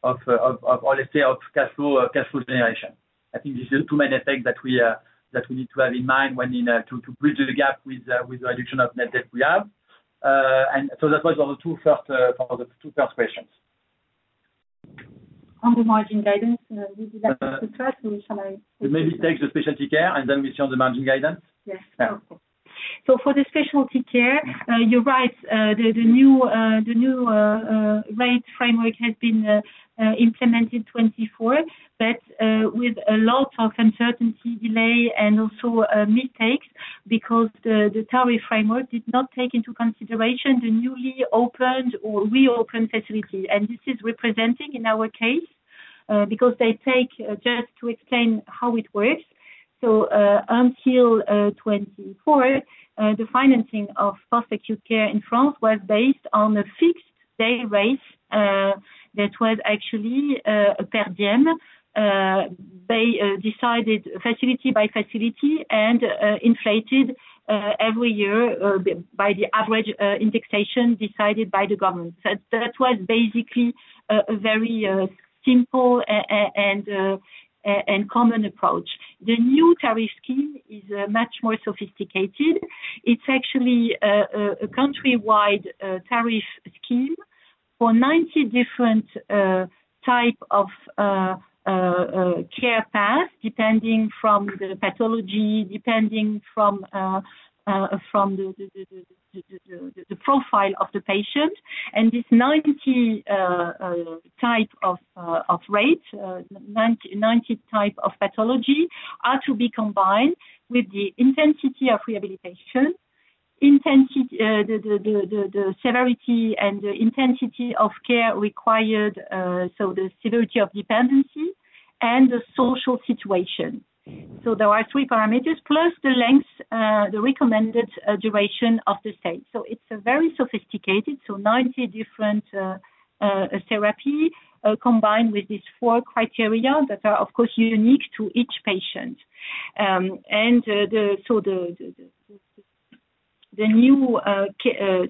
I would say, of cash flow generation. I think these are the two main effects that we need to have in mind when to bridge the gap with the reduction of net debt we have. That was the two first questions. On the margin guidance, we did that. Maybe take the specialty care and then we see on the margin guidance. Yes. Okay. For the specialty care, you're right. The new rate framework has been implemented in 2024, but with lots of uncertainty, delay, and also mistakes because the tariff framework did not take into consideration the newly opened or reopened facilities. This is representing in our case because they take, just to explain how it works, until 2024, the financing of post-acute care in France was based on a fixed day rate that was actually a per diem. They decided facility by facility and inflated every year by the average indexation decided by the government. That was basically a very simple and common approach. The new tariff scheme is much more sophisticated. It's actually a countrywide tariff scheme for 90 different types of care paths, depending on the pathology, depending on the profile of the patient. These 90 types of rates, 90 types of pathologies are to be combined with the intensity of rehabilitation, the severity and the intensity of care required, the severity of dependency, and the social situation. There are three parameters, plus the length, the recommended duration of the stay. It's a very sophisticated, so 90 different therapies combined with these four criteria that are, of course, unique to each patient. The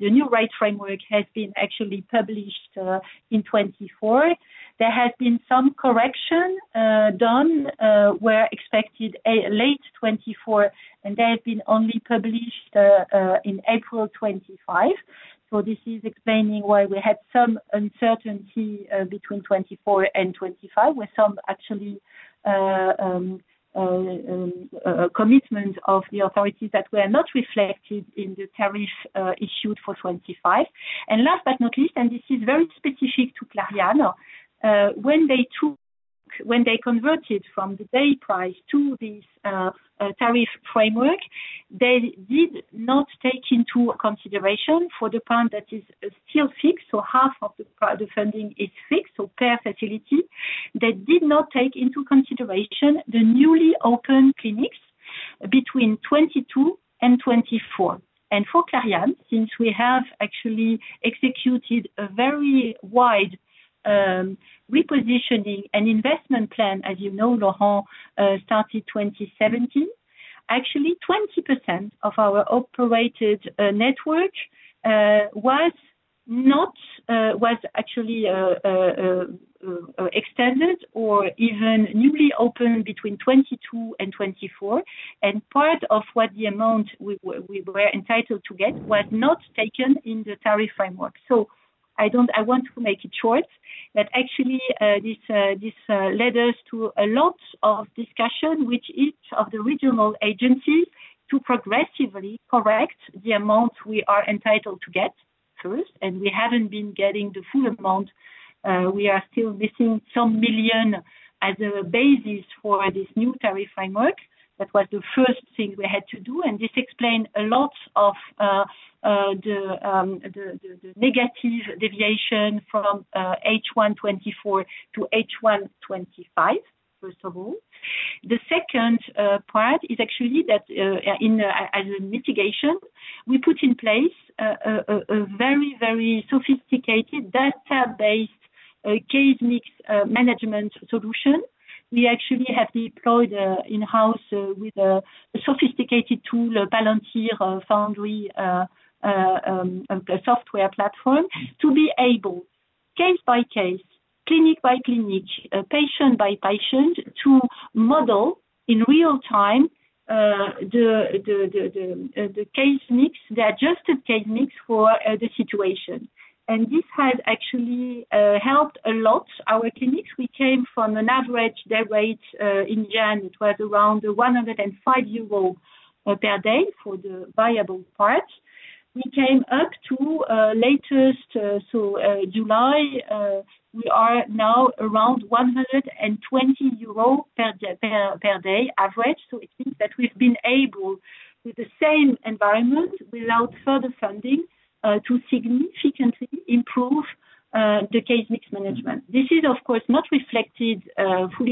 new rate framework has been actually published in 2024. There has been some correction done where expected late 2024, and they have been only published in April 2025. This is explaining why we had some uncertainty between 2024 and 2025, with some actually commitments of the authorities that were not reflected in the tariff issued for 2025. Last but not least, and this is very specific to Clariane, when they converted from the day price to this tariff framework, they did not take into consideration for the part that is still fixed, so half of the funding is fixed, so per facility. They did not take into consideration the newly opened clinics between 2022 and 2024. For Clariane, since we have actually executed a very wide repositioning and investment plan, as you know, Laurent, started 2017. Actually, 20% of our operated network was actually extended or even newly opened between 2022 and 2024. Part of what the amount we were entitled to get was not taken in the tariff framework. I want to make it short, but actually, this led us to a lot of discussion with each of the regional agencies to progressively correct the amounts we are entitled to get first. We haven't been getting the full amount. We are still missing some million as a basis for this new tariff framework. That was the first thing we had to do. This explained a lot of the negative deviation from H1 2024 to H1 2025, first of all. The second part is that as a mitigation, we put in place a very, very sophisticated database case mix management solution. We actually have deployed in-house with a sophisticated tool, a Palantir Foundry software platform, to be able, case by case, clinic by clinic, patient by patient, to model in real time the case mix, the adjusted case mix for the situation. This has actually helped a lot our clinics. We came from an average day rate in June. It was around €105 per day for the viable parts. We came up to the latest, so July, we are now around €120 per day average. I think that we've been able, with the same environment, without further funding, to significantly improve the case mix management. This is, of course, not fully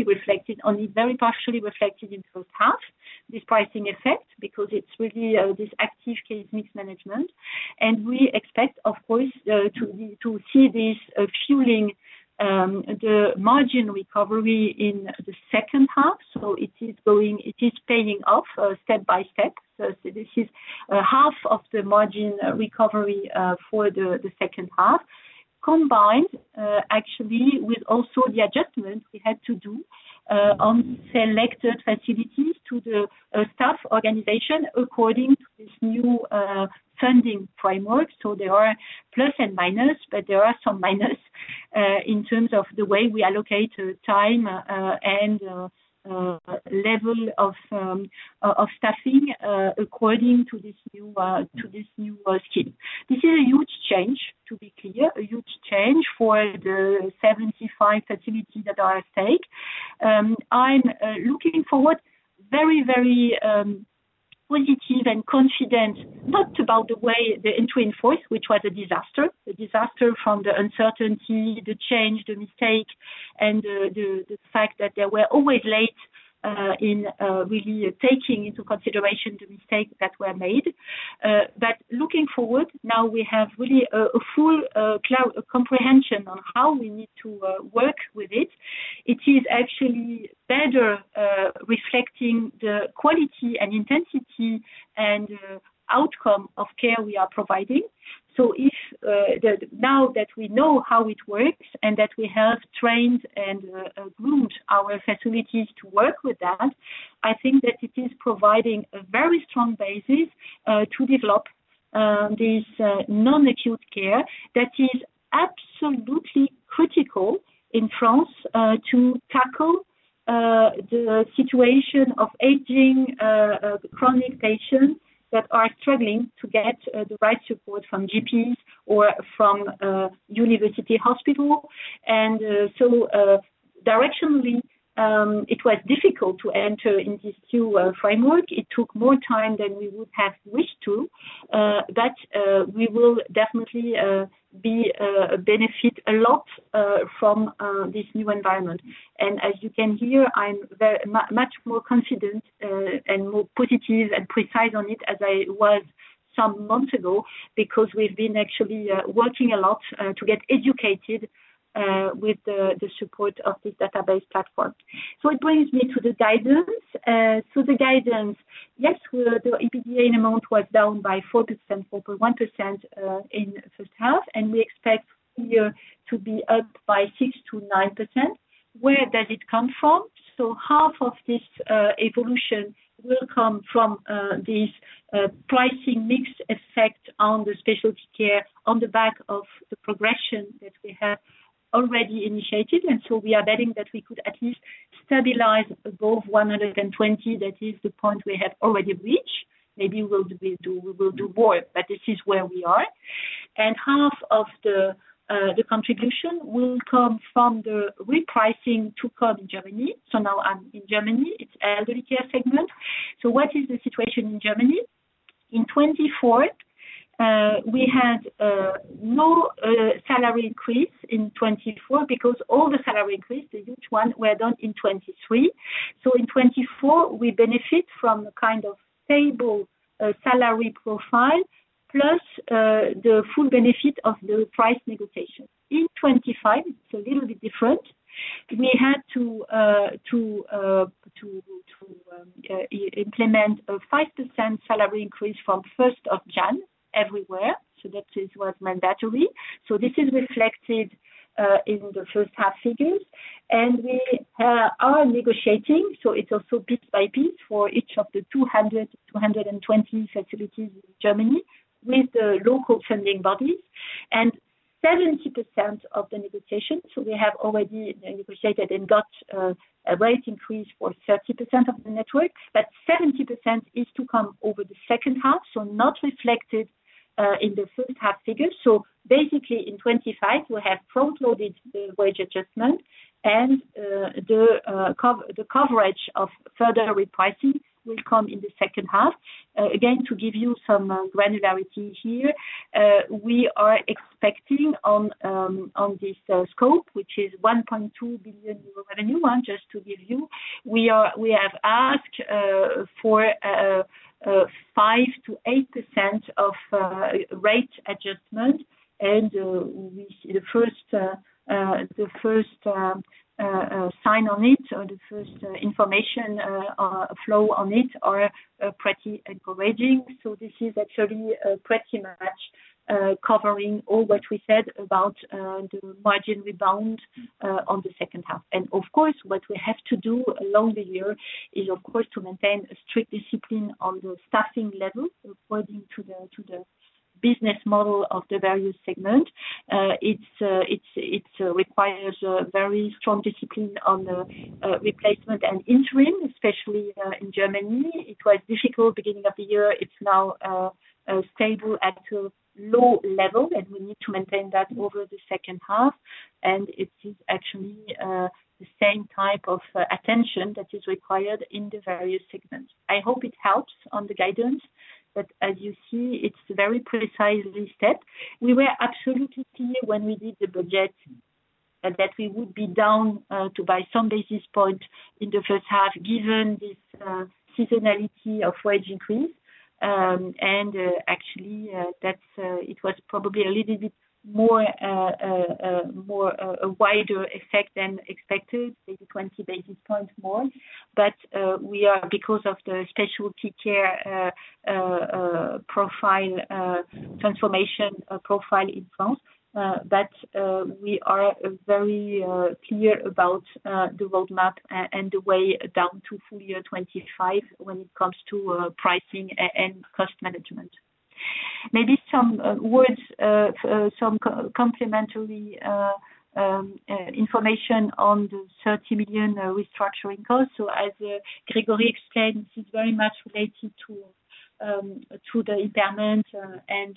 reflected on it, very partially reflected in the third half, this pricing effect, because it's really this active case mix management. We expect to see this fueling the margin recovery in the second half. It is going, it is paying off step by step. This is half of the margin recovery for the second half, combined with the adjustments we had to do on the selected facilities to the staff organization according to this new funding framework. There are plus and minus, but there are some minus in terms of the way we allocate time and level of staffing according to this new scheme. This is a huge change, to be clear, a huge change for the 75 facilities that are at stake. I'm looking forward very, very positive and confident, not about the way the entry in force, which was a disaster, a disaster from the uncertainty, the change, the mistake, and the fact that they were always late in really taking into consideration the mistakes that were made. Looking forward, now we have really a full cloud comprehension on how we need to work with it. It is actually better reflecting the quality and intensity and outcome of care we are providing. Now that we know how it works and that we have trained and groomed our facilities to work with that, I think that it is providing a very strong basis to develop this non-acute care that is absolutely critical in France to tackle the situation of aging chronic patients that are struggling to get the right support from GPs or from university hospitals. Directionally, it was difficult to enter in this new framework. It took more time than we would have wished to, but we will definitely benefit a lot from this new environment. As you can hear, I'm much more confident and more positive and precise on it as I was some months ago because we've been actually working a lot to get educated with the support of this database platform. It brings me to the guidance. The guidance, yes, the EBITDA in amount was down by 4%, 4.1% in the first half, and we expect here to be up by 6%-9%. Where does it come from? Half of this evolution will come from this pricing mix effect on the specialty care on the back of the progression that we have already initiated. We are betting that we could at least stabilize above 120. That is the point we have already reached. Maybe we will do more, but this is where we are. Half of the contribution will come from the repricing to come in Germany. Now I'm in Germany. It's the elderly care segment. What is the situation in Germany? In 2024, we had no salary increase in 2024 because all the salary increases, the huge ones, were done in 2023. In 2024, we benefit from a kind of stable salary profile plus the full benefit of the price negotiation. In 2025, it's a little bit different. We had to implement a 5% salary increase from June 1 everywhere. That was mandatory. This is reflected in the first half figures. We are negotiating, so it's also bit by bit for each of the 200, 220 facilities in Germany with the local funding bodies. 70% of the negotiation, so we have already negotiated and got a rate increase for 30% of the networks, but 70% is to come over the second half, not reflected in the first half figures. In 2025, we'll have front-loaded wage adjustment and the coverage of further repricing will come in the second half. Again, to give you some granularity here, we are expecting on this scope, which is €1.2 billion revenue one, just to give you, we have asked for 5%-8% of rate adjustment. We see the first sign on it, or the first information flow on it, are pretty encouraging. This is actually pretty much covering all what we said about the margin rebound on the second half. Of course, what we have to do along the year is to maintain a strict discipline on the staffing level, according to the business model of the various segments. It requires a very strong discipline on replacement and interim, especially in Germany. It was difficult at the beginning of the year. It's now stable at a low level, and we need to maintain that over the second half. It is actually the same type of attention that is required in the various segments. I hope it helps on the guidance, but as you see, it's a very precise step. We were absolutely clear when we did the budget that we would be down by some basis points in the first half, given this seasonality of wage increase. Actually, it was probably a little bit more a wider effect than expected, maybe 20 basis points more. We are, because of the specialty care transformation profile in France, but we are very clear about the roadmap and the way down to full year 2025 when it comes to pricing and cost management. Maybe some words, some complimentary information on the €30 million restructuring costs. As Grégory explained, this is very much related to the impairment and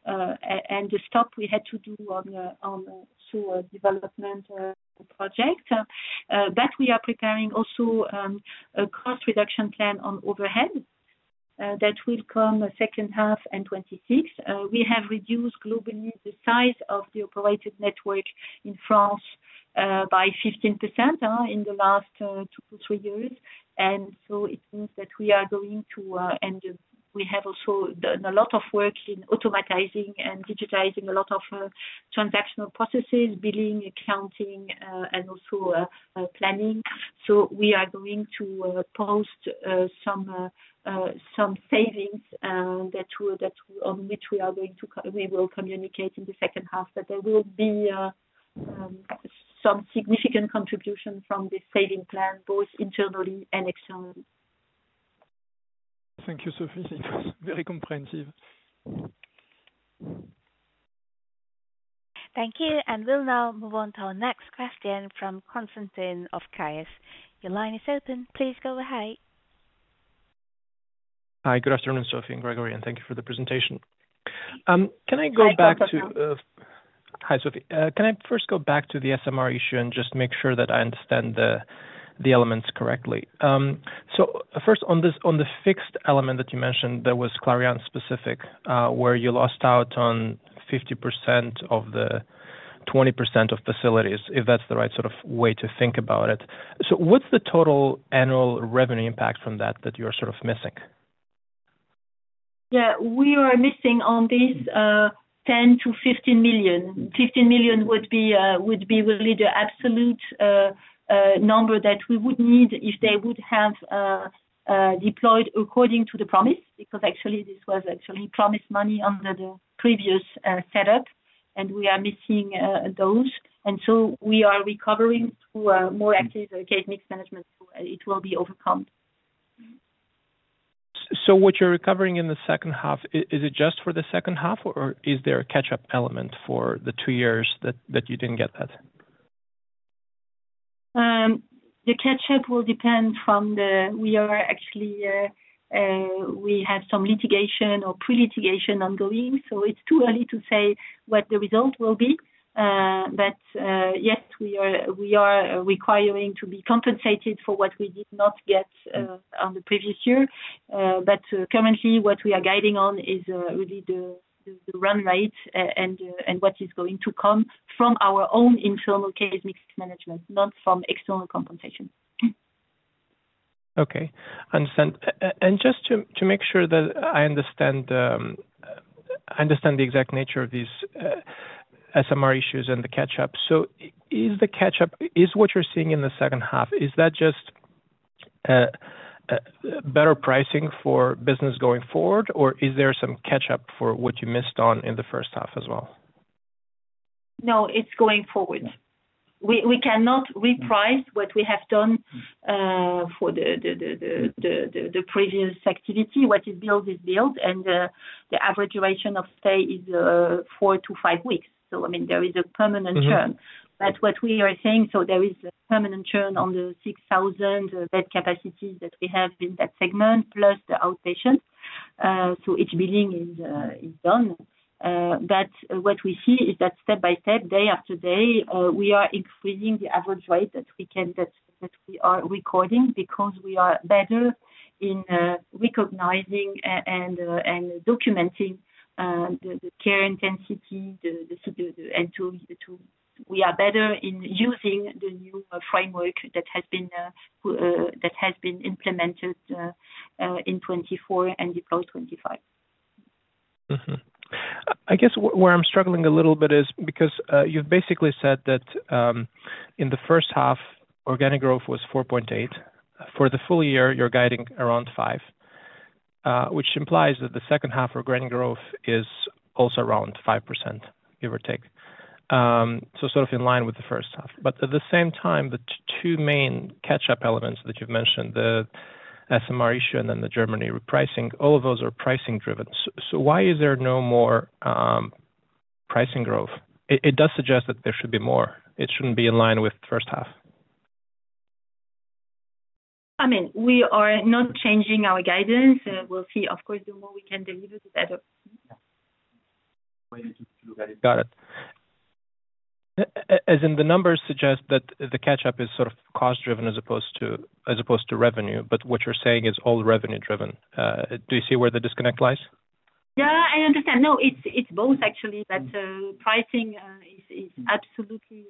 the stop we had to do on two development projects. We are preparing also a cost reduction plan on overhead that will come second half and 2026. We have reduced globally the size of the operated network in France by 15% in the last two to three years. It means that we are going to, and we have also done a lot of work in automatising and digitizing a lot of transactional processes, billing, accounting, and also planning. We are going to post some savings that we are going to, we will communicate in the second half, but there will be some significant contribution from this saving plan, both internally and externally. Thank you, Sophie. It was very comprehensive. Thank you. We'll now move on to our next question from Constantin of Caius. Your line is open. Please go ahead. Hi. Good afternoon, Sophie and Grégory, and thank you for the presentation. Can I go back to the SMR issue and just make sure that I understand the elements correctly? On the fixed element that you mentioned, that was Clariane specific, where you lost out on 50% of the 20% of facilities, if that's the right sort of way to think about it. What's the total annual revenue impact from that that you're sort of missing? We are missing on this, €10 million to €15 million. €15 million would be really the absolute number that we would need if they would have deployed according to the promise, because this was actually promised money under the previous setup. We are missing those, and we are recovering through more active case mix management. It will be overcome. You're recovering in the second half. Is it just for the second half, or is there a catch-up element for the two years that you didn't get that? The catch-up will depend from the, we are actually, we have some litigation or pre-litigation ongoing. It's too early to say what the results will be. Yes, we are requiring to be compensated for what we did not get on the previous year. Currently, what we are guiding on is really the run rate and what is going to come from our own internal case mix management, not from external compensation. Okay. I understand. Just to make sure that I understand the exact nature of these SMR issues and the catch-up, is what you're seeing in the second half just better pricing for business going forward, or is there some catch-up for what you missed in the first half as well? No, it's going forward. We cannot reprice what we have done for the previous activity. What is billed is billed, and the average duration of stay is four to five weeks. There is a permanent churn. There is a permanent churn on the 6,000 bed capacity that we have in that segment plus the outpatient. Each billing is done. What we see is that step by step, day after day, we are increasing the average rate that we can, that we are recording because we are better in recognizing and documenting the care intensity. We are better in using the new framework that has been implemented in 2024 and before 2025. I guess where I'm struggling a little bit is because you've basically said that in the first half, organic growth was 4.8%. For the full year, you're guiding around 5%, which implies that the second half organic growth is also around 5%, give or take, so sort of in line with the first half. At the same time, the two main catch-up elements that you've mentioned, the SMR tariff framework issue and then the Germany repricing, all of those are pricing driven. Why is there no more pricing growth? It does suggest that there should be more. It shouldn't be in line with the first half. I mean, we are not changing our guidance. We'll see, of course, the more we can deliver. Got it. As in, the numbers suggest that the catch-up is sort of cost-driven as opposed to revenue, but what you're saying is all revenue-driven. Do you see where the disconnect lies? Yeah, I understand. No, it's both actually, but pricing is absolutely,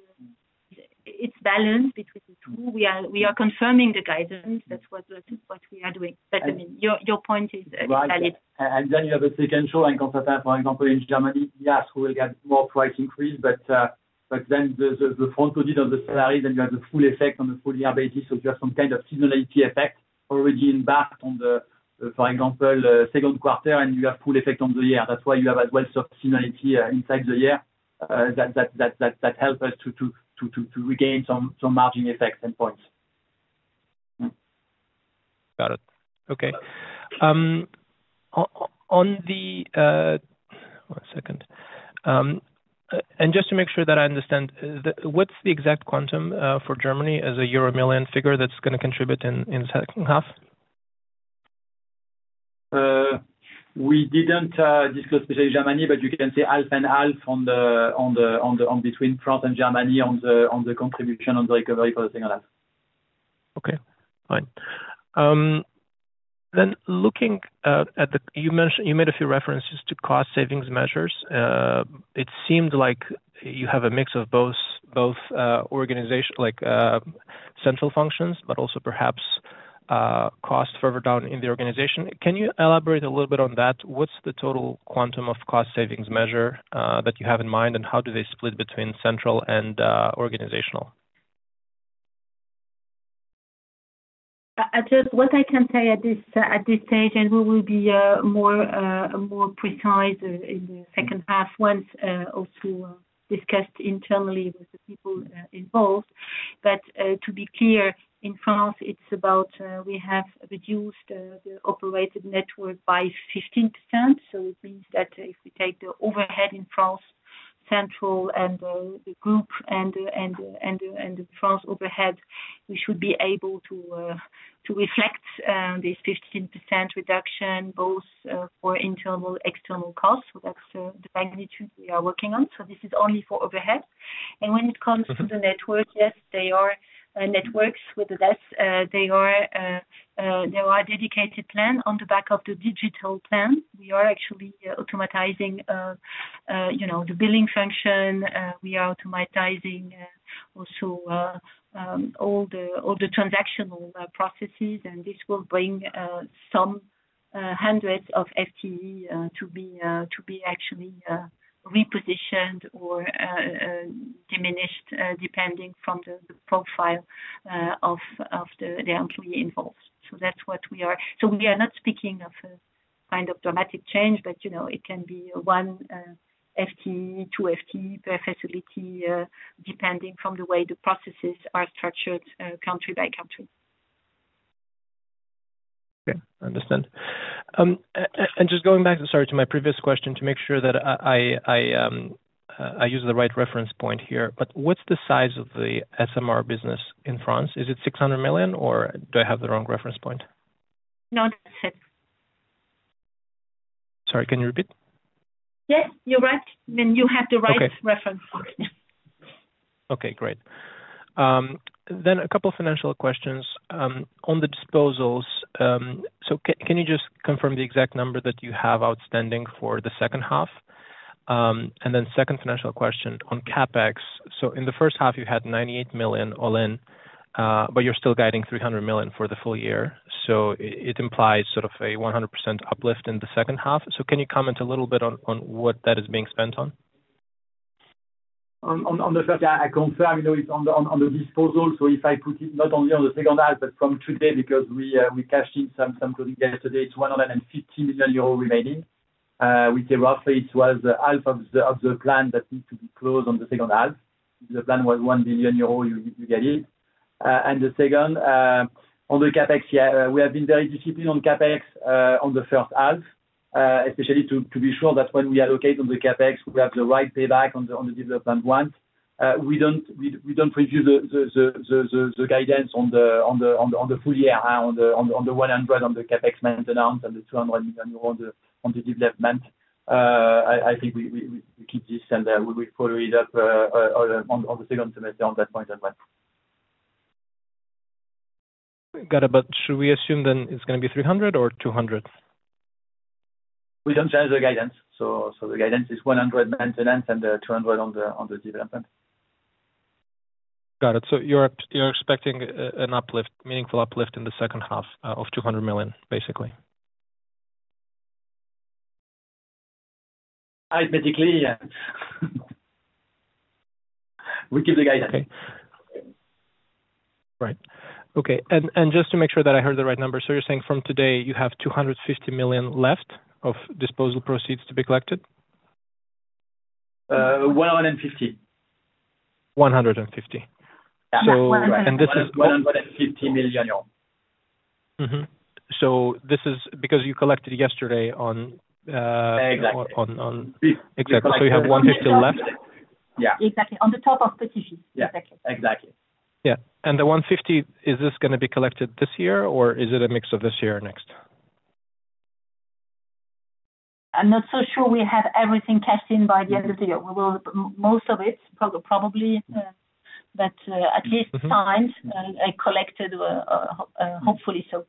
it's balanced between the two. We are confirming the guidance. That's what we are doing. I mean, your point is valid. You have a second show and compare that, for example, in Germany, yes, we will get more price increase, but then the front to the salaries and you have the full effect on the full year basis. You have some kind of seasonality effect already embarked on the, for example, second quarter and you have full effect on the year. That's why you have a wealth of seasonality inside the year. That helps us to regain some marginal effects and points. Okay. Just to make sure that I understand, what's the exact quantum for Germany as a euro million figure that's going to contribute in the second half? We didn't discuss with Germany, but you can see half and half between France and Germany on the contribution and the recovery for the second half. Okay. Fine. Looking at the, you mentioned you made a few references to cost savings measures. It seemed like you have a mix of both organizations, like central functions, but also perhaps cost further down in the organization. Can you elaborate a little bit on that? What's the total quantum of cost savings measure that you have in mind and how do they split between central and organizational? What I can say at this stage, and we will be more precise in the second half once also discussed internally with the people involved. To be clear, in France, we have reduced the operated network by 15%. It means that if we take the overhead in France, central and the group and the France overhead, we should be able to reflect this 15% reduction both for internal and external costs. That's the magnitude we are working on. This is only for overhead. When it comes to the network, yes, there are networks with that. There are dedicated plans on the back of the digital plan. We are actually automatizing the billing function. We are automatizing also all the transactional processes. This will bring some hundreds of FTE to be actually repositioned or diminished depending on the profile of the employee involved. That's what we are. We are not speaking of a kind of dramatic change, but you know it can be one FTE, two FTE per facility, depending on the way the processes are structured country by country. Okay. I understand. Just going back, sorry, to my previous question to make sure that I use the right reference point here, what's the size of the SMR business in France? Is it €600 million or do I have the wrong reference point? No, that's it. Sorry, can you repeat? Yes, you're right. I mean, you have the right reference point. Okay. Great. A couple of financial questions. On the disposals, can you just confirm the exact number that you have outstanding for the second half? The second financial question on CapEx, in the first half, you had €98 million all in, but you're still guiding €300 million for the full year. It implies sort of a 100% uplift in the second half. Can you comment a little bit on what that is being spent on? On the first, I confirm, you know, it's on the disposal. If I put it not only on the second half, but from today, because we cashed in some colleagues yesterday, it's €115 million remaining. We came up, so it was half of the plan that needs to be closed on the second half. The plan was €1 billion you gave it. On the CapEx, yeah, we have been very disciplined on CapEx on the first half, especially to be sure that when we allocate on the CapEx, we have the right payback on the development grant. We don't review the guidance on the full year, on the 100, on the CapEx maintenance, and the €200 million on the development. I think we keep this and we will follow it up on the second semester on that point as well. Got it. Should we assume then it's going to be €300 million or €200 million? We don't change the guidance. The guidance is €100 million maintenance and €200 million on the development. You're expecting a meaningful uplift in the second half of €200 million, basically. Arithmetically, yeah, we keep the guidance. Right. Okay. Just to make sure that I heard the right number, you're saying from today, you have €250 million left of disposal proceeds to be collected? €150 million. €150 million? Yeah. €150 million. €150 million. This is because you collected yesterday on. Exactly. Exactly. You have €150 million left? Yeah. Exactly. On the top of the TG. Yeah. Exactly. Yeah, the €150 million, is this going to be collected this year or is it a mix of this year and next? I'm not so sure we have everything cashed in by the end of the year. We will most of it probably, but at least signed and collected, hopefully so.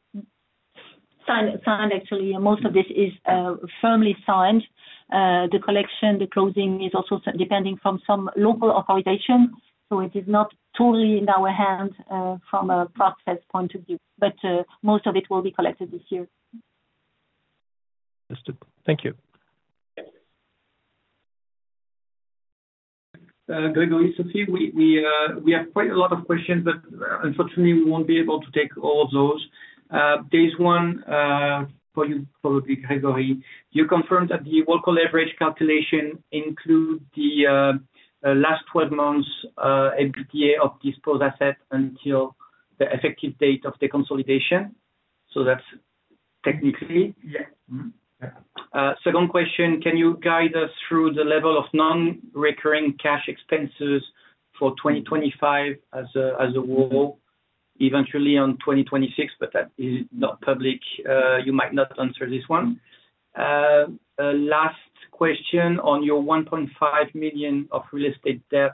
Signed, actually. Most of this is firmly signed. The collection, the closing is also depending on some local authorization. It is not totally in our hands from a process point of view. Most of it will be collected this year. Thank you. Grégory, Sophie, we have quite a lot of questions, but unfortunately, we won't be able to take all of those. There's one for you, probably, Grégory. Do you confirm that the work leverage calculation includes the last 12 months' EBITDA of disposed assets until the effective date of the consolidation? That's technically. Yeah. Second question, can you guide us through the level of non-recurring cash expenses for 2025 as a rule eventually on 2026, but that is not public? You might not answer this one. Last question, on your €1.5 million of real estate debt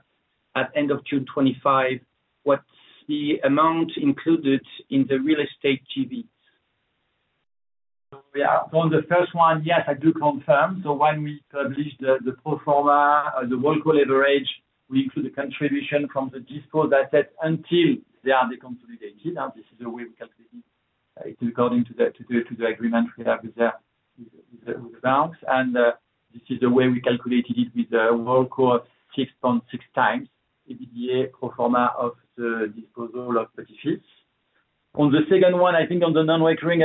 at the end of June 2025, what's the amount included in the real estate GV? On the first one, yes, I do confirm. When we publish the pro forma leverage, we include the contribution from the disposed assets until they are consolidated. This is the way we calculate it. It's according to the agreement with the banks. This is the way we calculated it with the 6.6x EBITDA pro forma of the disposal of participants. On the second one, on the non-recurring,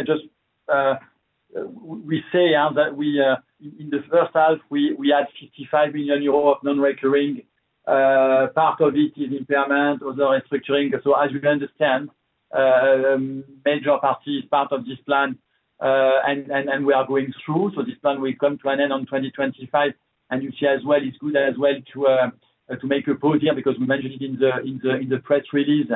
we say that in the first half, we had €55 million of non-recurring. Part of it is impairment, other restructuring. As you understand, a major part is part of this plan we are going through. This plan will come to an end in 2025. It's good to make a pause here because we mentioned it in the press release.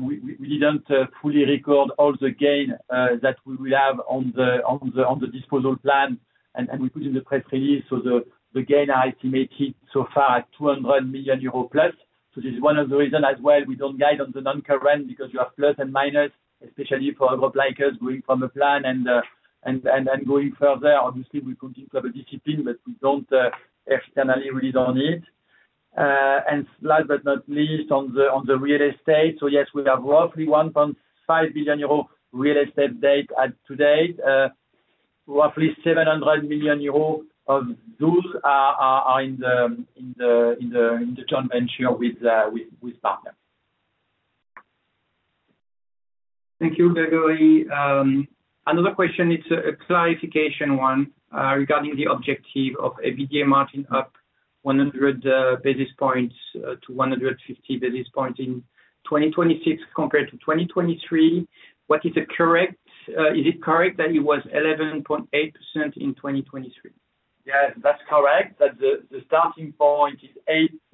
We didn't fully record all the gain that we will have on the disposal plan, and we put it in the press release. The gain is estimated so far at +€200 million. This is one of the reasons we don't guide on the non-current because you have plus and minus, especially for a group like us going from a plan and then going further. Obviously, we could have a discipline, but we don't externally release on it. Last but not least, on the real estate, we have roughly €1.5 billion real estate debt at today. Roughly €700 million of those are in the joint venture with partner. Thank you, Grégory. Another question, it's a clarification one regarding the objective of an EBITDA margin up 100 basis points to 150 basis points in 2026 compared to 2023. What is the correct? Is it correct that it was 11.8% in 2023? Yeah, that's correct. The starting point is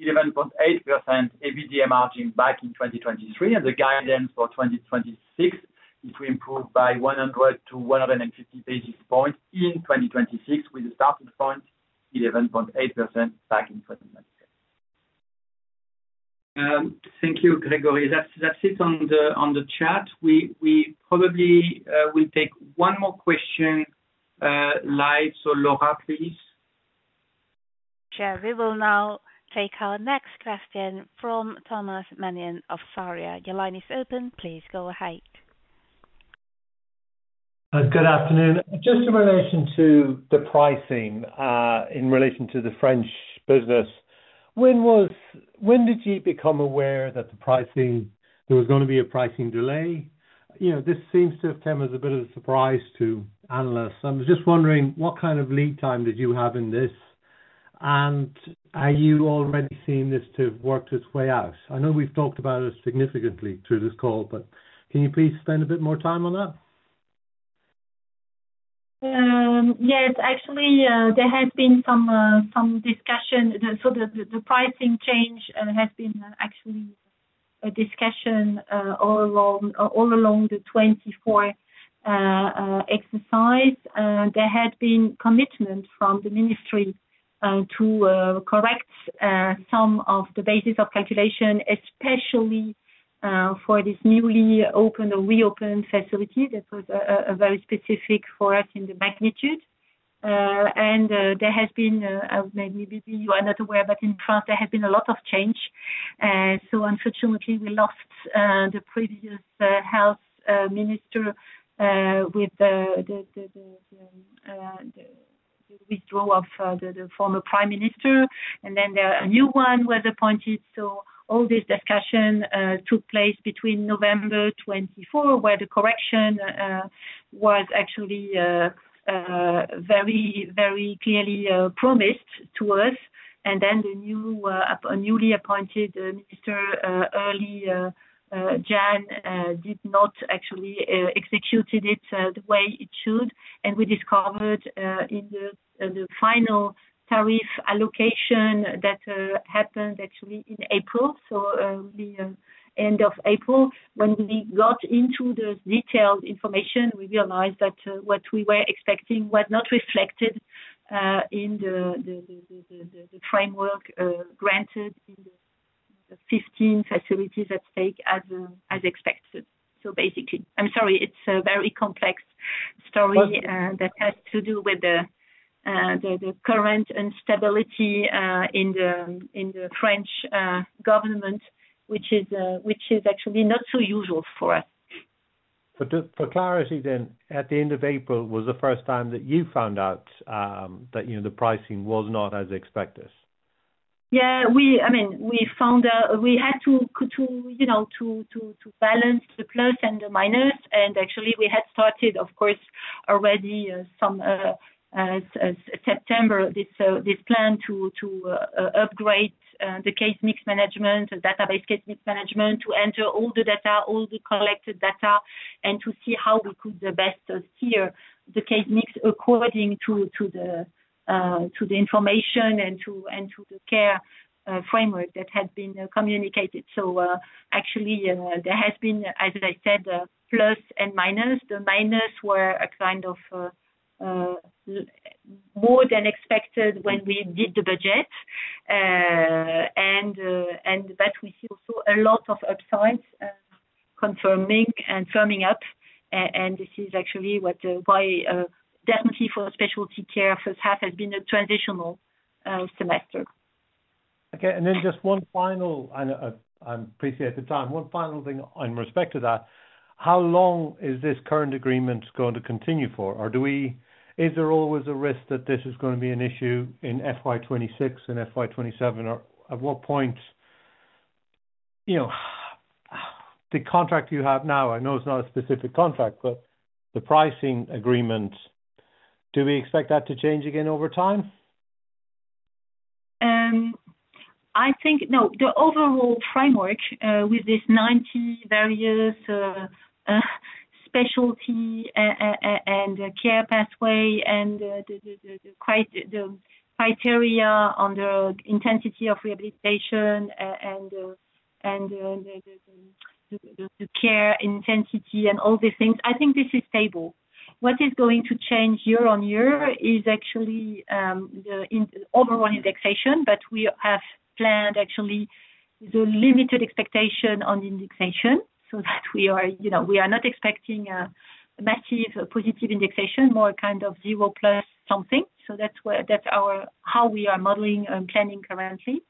11.8% EBITDA margin back in 2023. The guidance for 2026 is that it will improve by 100 to 150 basis points in 2026, with the starting point 11.8% back in 2023. Thank you, Grégory. That's it on the chat. We probably will take one more question live. Laura, please. We will now take our next question from Tomas Mannion of Sauria. Your line is open. Please go ahead. Good afternoon. Just in relation to the pricing in relation to the French business, when did you become aware that there was going to be a pricing delay? This seems to have come as a bit of a surprise to analysts. I was just wondering, what kind of lead time did you have in this? Are you already seeing this to have worked its way out? I know we've talked about it significantly through this call, but can you please spend a bit more time on that? Yes. Actually, there has been some discussion. The pricing change has been actually a discussion all along the 2024 exercise. There had been commitment from the ministry to correct some of the basis of calculation, especially for this newly opened or reopened facility. That was very specific for us in the magnitude. Maybe you are not aware, but in France, there has been a lot of change. Unfortunately, we lost the previous Health Minister with the withdrawal of the former Prime Minister, and then a new one was appointed. All this discussion took place between November 2024, where the correction was actually very, very clearly promised to us, and then the newly appointed minister, early January, did not actually execute it the way it should. We discovered in the final tariff allocation that happened actually in April. At the end of April, when we got into the detailed information, we realized that what we were expecting was not reflected in the framework granted in the 15 facilities at stake as expected. Basically, I'm sorry, it's a very complex story that has to do with the current instability in the French government, which is actually not so usual for us. For clarity then, at the end of April was the first time that you found out that the pricing was not as expected? Yeah, I mean, we found out we had to, you know, balance the plus and the minus. Actually, we had started, of course, already some September, this plan to upgrade the case mix management, the database case mix management, to enter all the data, all the collected data, and to see how we could best steer the case mix according to the information and to the care framework that had been communicated. Actually, there has been, as I said, plus and minus. The minus were kind of more than expected when we did the budget. We see also a lot of upsides confirming and firming up. This is actually why definitely for specialty care, first half has been a transitional semester. Okay. One final thing in respect to that. How long is this current agreement going to continue for? Is there always a risk that this is going to be an issue in FY 2026 and FY 2027? At what point, you know, the contract you have now, I know it's not a specific contract, but the pricing agreement, do we expect that to change again over time? I think, no, the overall framework with this 90 various specialty and care pathway and the criteria under intensity of rehabilitation and the care intensity and all these things, I think this is stable. What is going to change year-on-year is actually the overall indexation, but we have planned actually the limited expectation on the indexation so that we are, you know, we are not expecting a massive positive indexation, more a kind of zero plus something. That's how we are modeling and planning currently.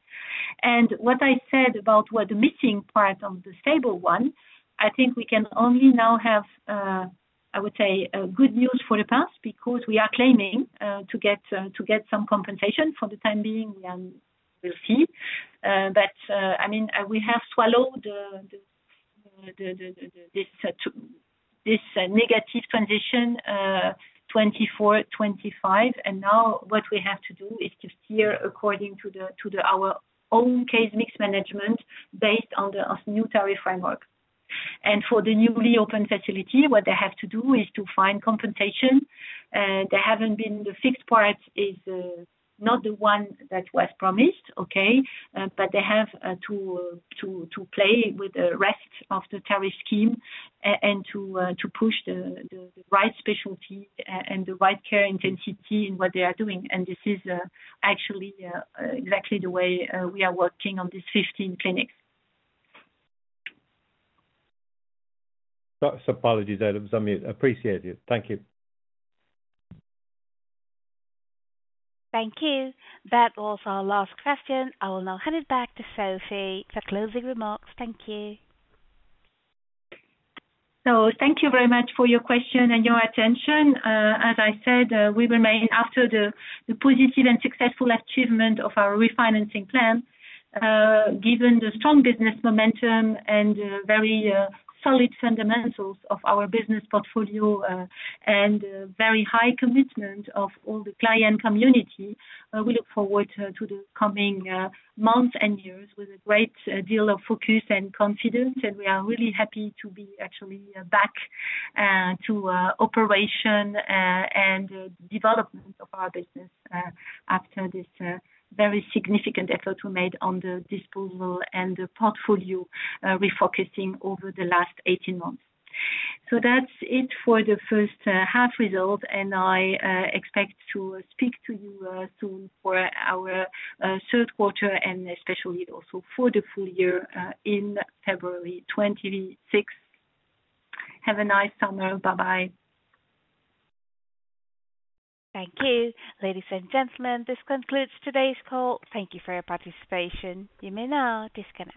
What I said about what the missing part of the stable one, I think we can only now have, I would say, good news for the past because we are claiming to get some compensation for the time being. We will see. I mean, we have swallowed this negative transition 2024, 2025. Now what we have to do is to steer according to our own case mix management based on the new tariff framework. For the newly opened facility, what they have to do is to find compensation. They haven't been, the fixed part is not the one that was promised, okay? They have to play with the rest of the tariff scheme and to push the right specialty and the right care intensity in what they are doing. This is actually exactly the way we are working on these 15 clinics. Apologies. I appreciate it. Thank you. Thank you. That was our last question. I will now hand it back to Sophie for closing remarks. Thank you. Thank you very much for your question and your attention. As I said, we remain, after the positive and successful achievement of our refinancing plan, given the strong business momentum and the very solid fundamentals of our business portfolio and the very high commitment of all the client community. We look forward to the coming months and years with a great deal of focus and confidence. We are really happy to be actually back to operation and development of our business after this very significant effort we made on the disposal and the portfolio refocusing over the last 18 months. That is it for the first half result. I expect to speak to you soon for our third quarter and especially also for the full year in February 2026. Have a nice summer. Bye-bye. Thank you. Ladies and gentlemen, this concludes today's call. Thank you for your participation. You may now disconnect.